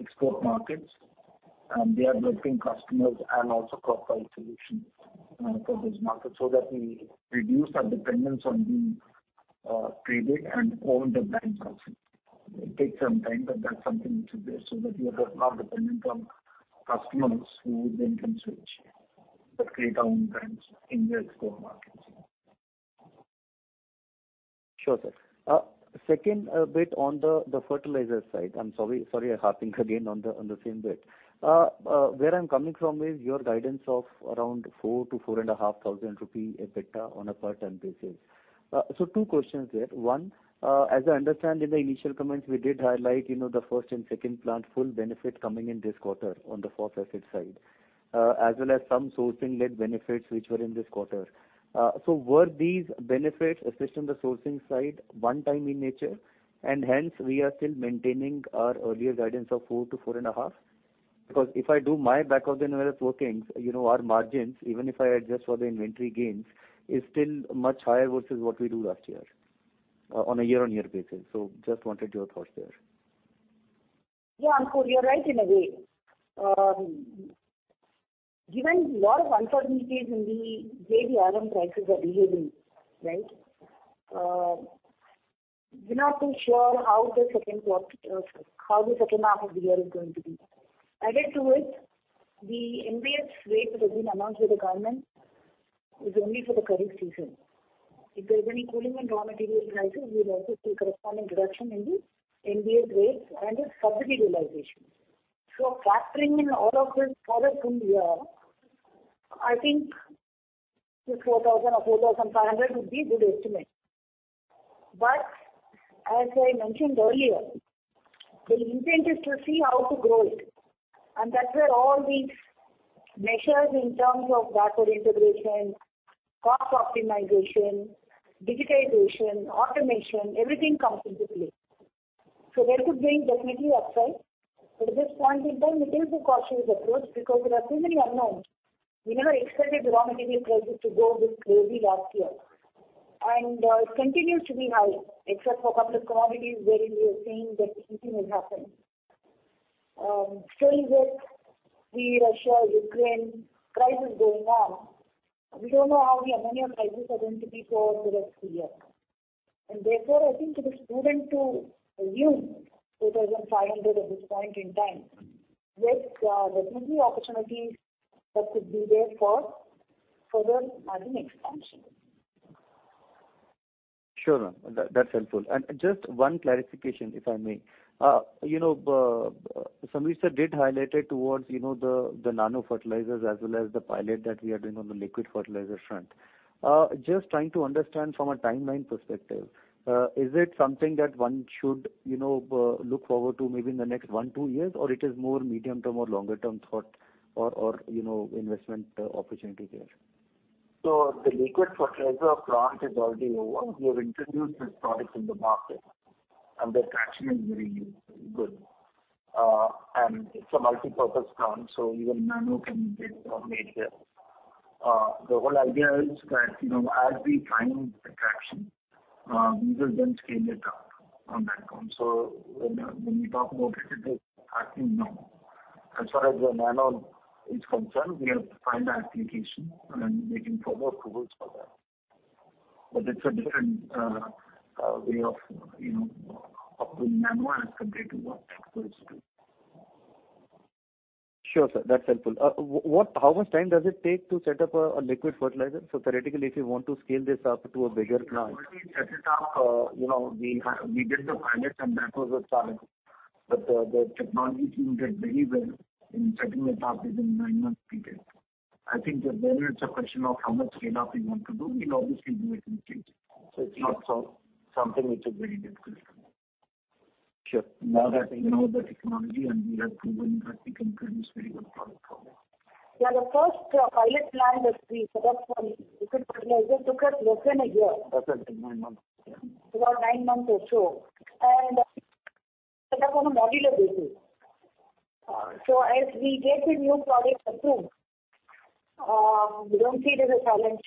export markets, and they are building customers and also crop health solutions for those markets so that we reduce our dependence on the trade and own the brands also. It takes some time, but that's something which is there so that we are not dependent on customers who then can switch, but create our own brands in the export markets. Sure, sir. Second bit on the fertilizer side. I'm sorry I'm harping again on the same bit. Where I'm coming from is your guidance of around 4,000-4,500 rupee EBITDA on a per ton basis. Two questions there. One, as I understand in the initial comments, we did highlight, you know, the first and second plant full benefit coming in this quarter on the phosphate side, as well as some sourcing-led benefits which were in this quarter. Were these benefits, especially on the sourcing side, one time in nature, and hence we are still maintaining our earlier guidance of 4,000-4,500? Because if I do my back of the numbers workings, you know, our margins, even if I adjust for the inventory gains, is still much higher versus what we do last year, on a year-on-year basis. Just wanted your thoughts there. Yeah, Ankur, you're right in a way. Given lot of uncertainties in the way the RM prices are behaving, right? We're not too sure how the second half of the year is going to be. Added to it, the NBS rate that has been announced by the government is only for the current season. If there's any cooling in raw material prices, we will also see corresponding reduction in the NBS rates and the subsidy realization. Factoring in all of this for the full year, I think this 4,000 or 4,500 would be a good estimate. As I mentioned earlier, the intent is to see how to grow it, and that's where all these measures in terms of backward integration, cost optimization, digitization, automation, everything comes into play. There could be definitely upside, but at this point in time it is a cautious approach because there are too many unknowns. We never expected the raw material prices to go this crazy last year. It continues to be high except for a couple of commodities wherein we are seeing that easing has happened. Still with the Russia-Ukraine crisis going on, we don't know how many of these are going to be for the rest of the year. Therefore, I think it is prudent to assume $2,500 at this point in time with definitely opportunities that could be there for further margin expansion. Sure, ma'am. That's helpful. Just one clarification, if I may. You know, Sameer sir did highlight it towards, you know, the nano fertilizers as well as the pilot that we are doing on the liquid fertilizer front. Just trying to understand from a timeline perspective, is it something that one should, you know, look forward to maybe in the next 1-2 years, or it is more medium-term or longer term thought or, you know, investment opportunity there? The liquid fertilizer plant is already over. We have introduced this product in the market and the traction is really good. And it's a multipurpose plant, so even nano can be made there. The whole idea is that, you know, as we find traction, we will then scale it up on that front. When we talk about it is happening now. As far as the nano is concerned, we have to find the application and making further approvals for that. But it's a different way of, you know, of doing nano as compared to what that goes to. Sure, sir. That's helpful. How much time does it take to set up a liquid fertilizer? Theoretically, if you want to scale this up to a bigger plant. We set it up, you know, we did the pilots and that was the time. The technology team did very well in setting it up within 9 months period. I think it's a question of how much scaling up you want to do. We know the scale we can take. It's not so something which is very difficult. Sure. Now that we know the technology, and we have proven that we can produce very good product from it. Yeah. The first pilot plant that we set up for liquid fertilizer took us less than a year. Less than nine months, yeah. About nine months or so. Set up on a modular basis. As we get a new product approved, we don't see it as a challenge.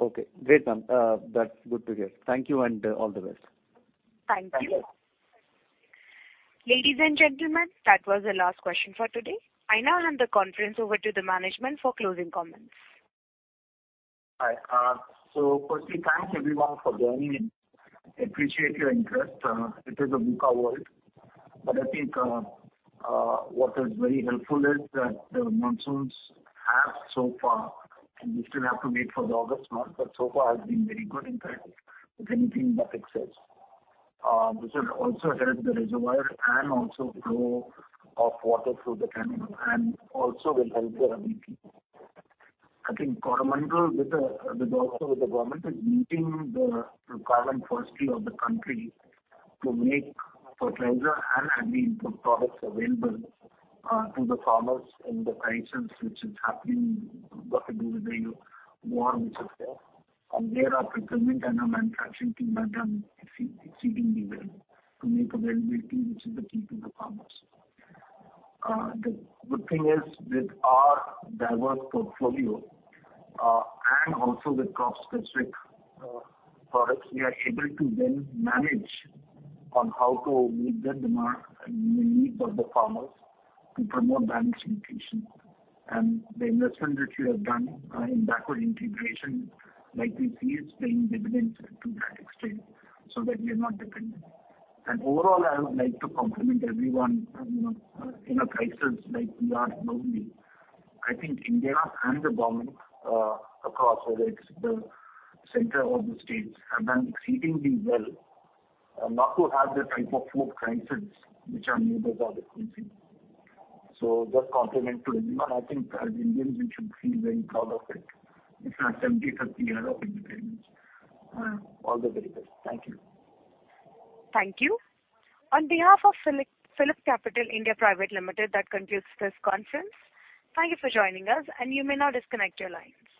Okay, great, ma'am. That's good to hear. Thank you and all the best. Thank you. Thank you. Ladies and gentlemen, that was the last question for today. I now hand the conference over to the management for closing comments. Hi. So firstly, thanks everyone for joining in. Appreciate your interest. It is a VUCA world, but I think what is very helpful is that the monsoons have so far, and we still have to wait for the August month, but so far has been very good in fact, with anything but excess. This will also help the reservoir and also flow of water through the canal and also will help the RMP. I think Coromandel with the government is meeting the requirement firstly of the country to make fertilizer and agri-input products available to the farmers in the crisis which is happening. Got to do with the El Niño and the war which is there. There our procurement and our manufacturing team have done exceedingly well to make availability, which is the key to the farmers. The good thing is, with our diverse portfolio, and also with crop-specific products, we are able to then manage on how to meet the demand and the needs of the farmers to promote balanced nutrition. The investment which we have done, in backward integration, like we see, is paying dividends to that extent so that we are not dependent. Overall, I would like to compliment everyone, you know, in a crisis like we are globally. I think India and the government, across whether it's the center or the states, have done exceedingly well not to have the type of food crisis which our neighbors are facing. Just compliment to everyone. I think as Indians we should feel very proud of it in our 73rd year of independence. All the very best. Thank you. Thank you. On behalf of PhillipCapital India Private Limited, that concludes this conference. Thank you for joining us, and you may now disconnect your lines.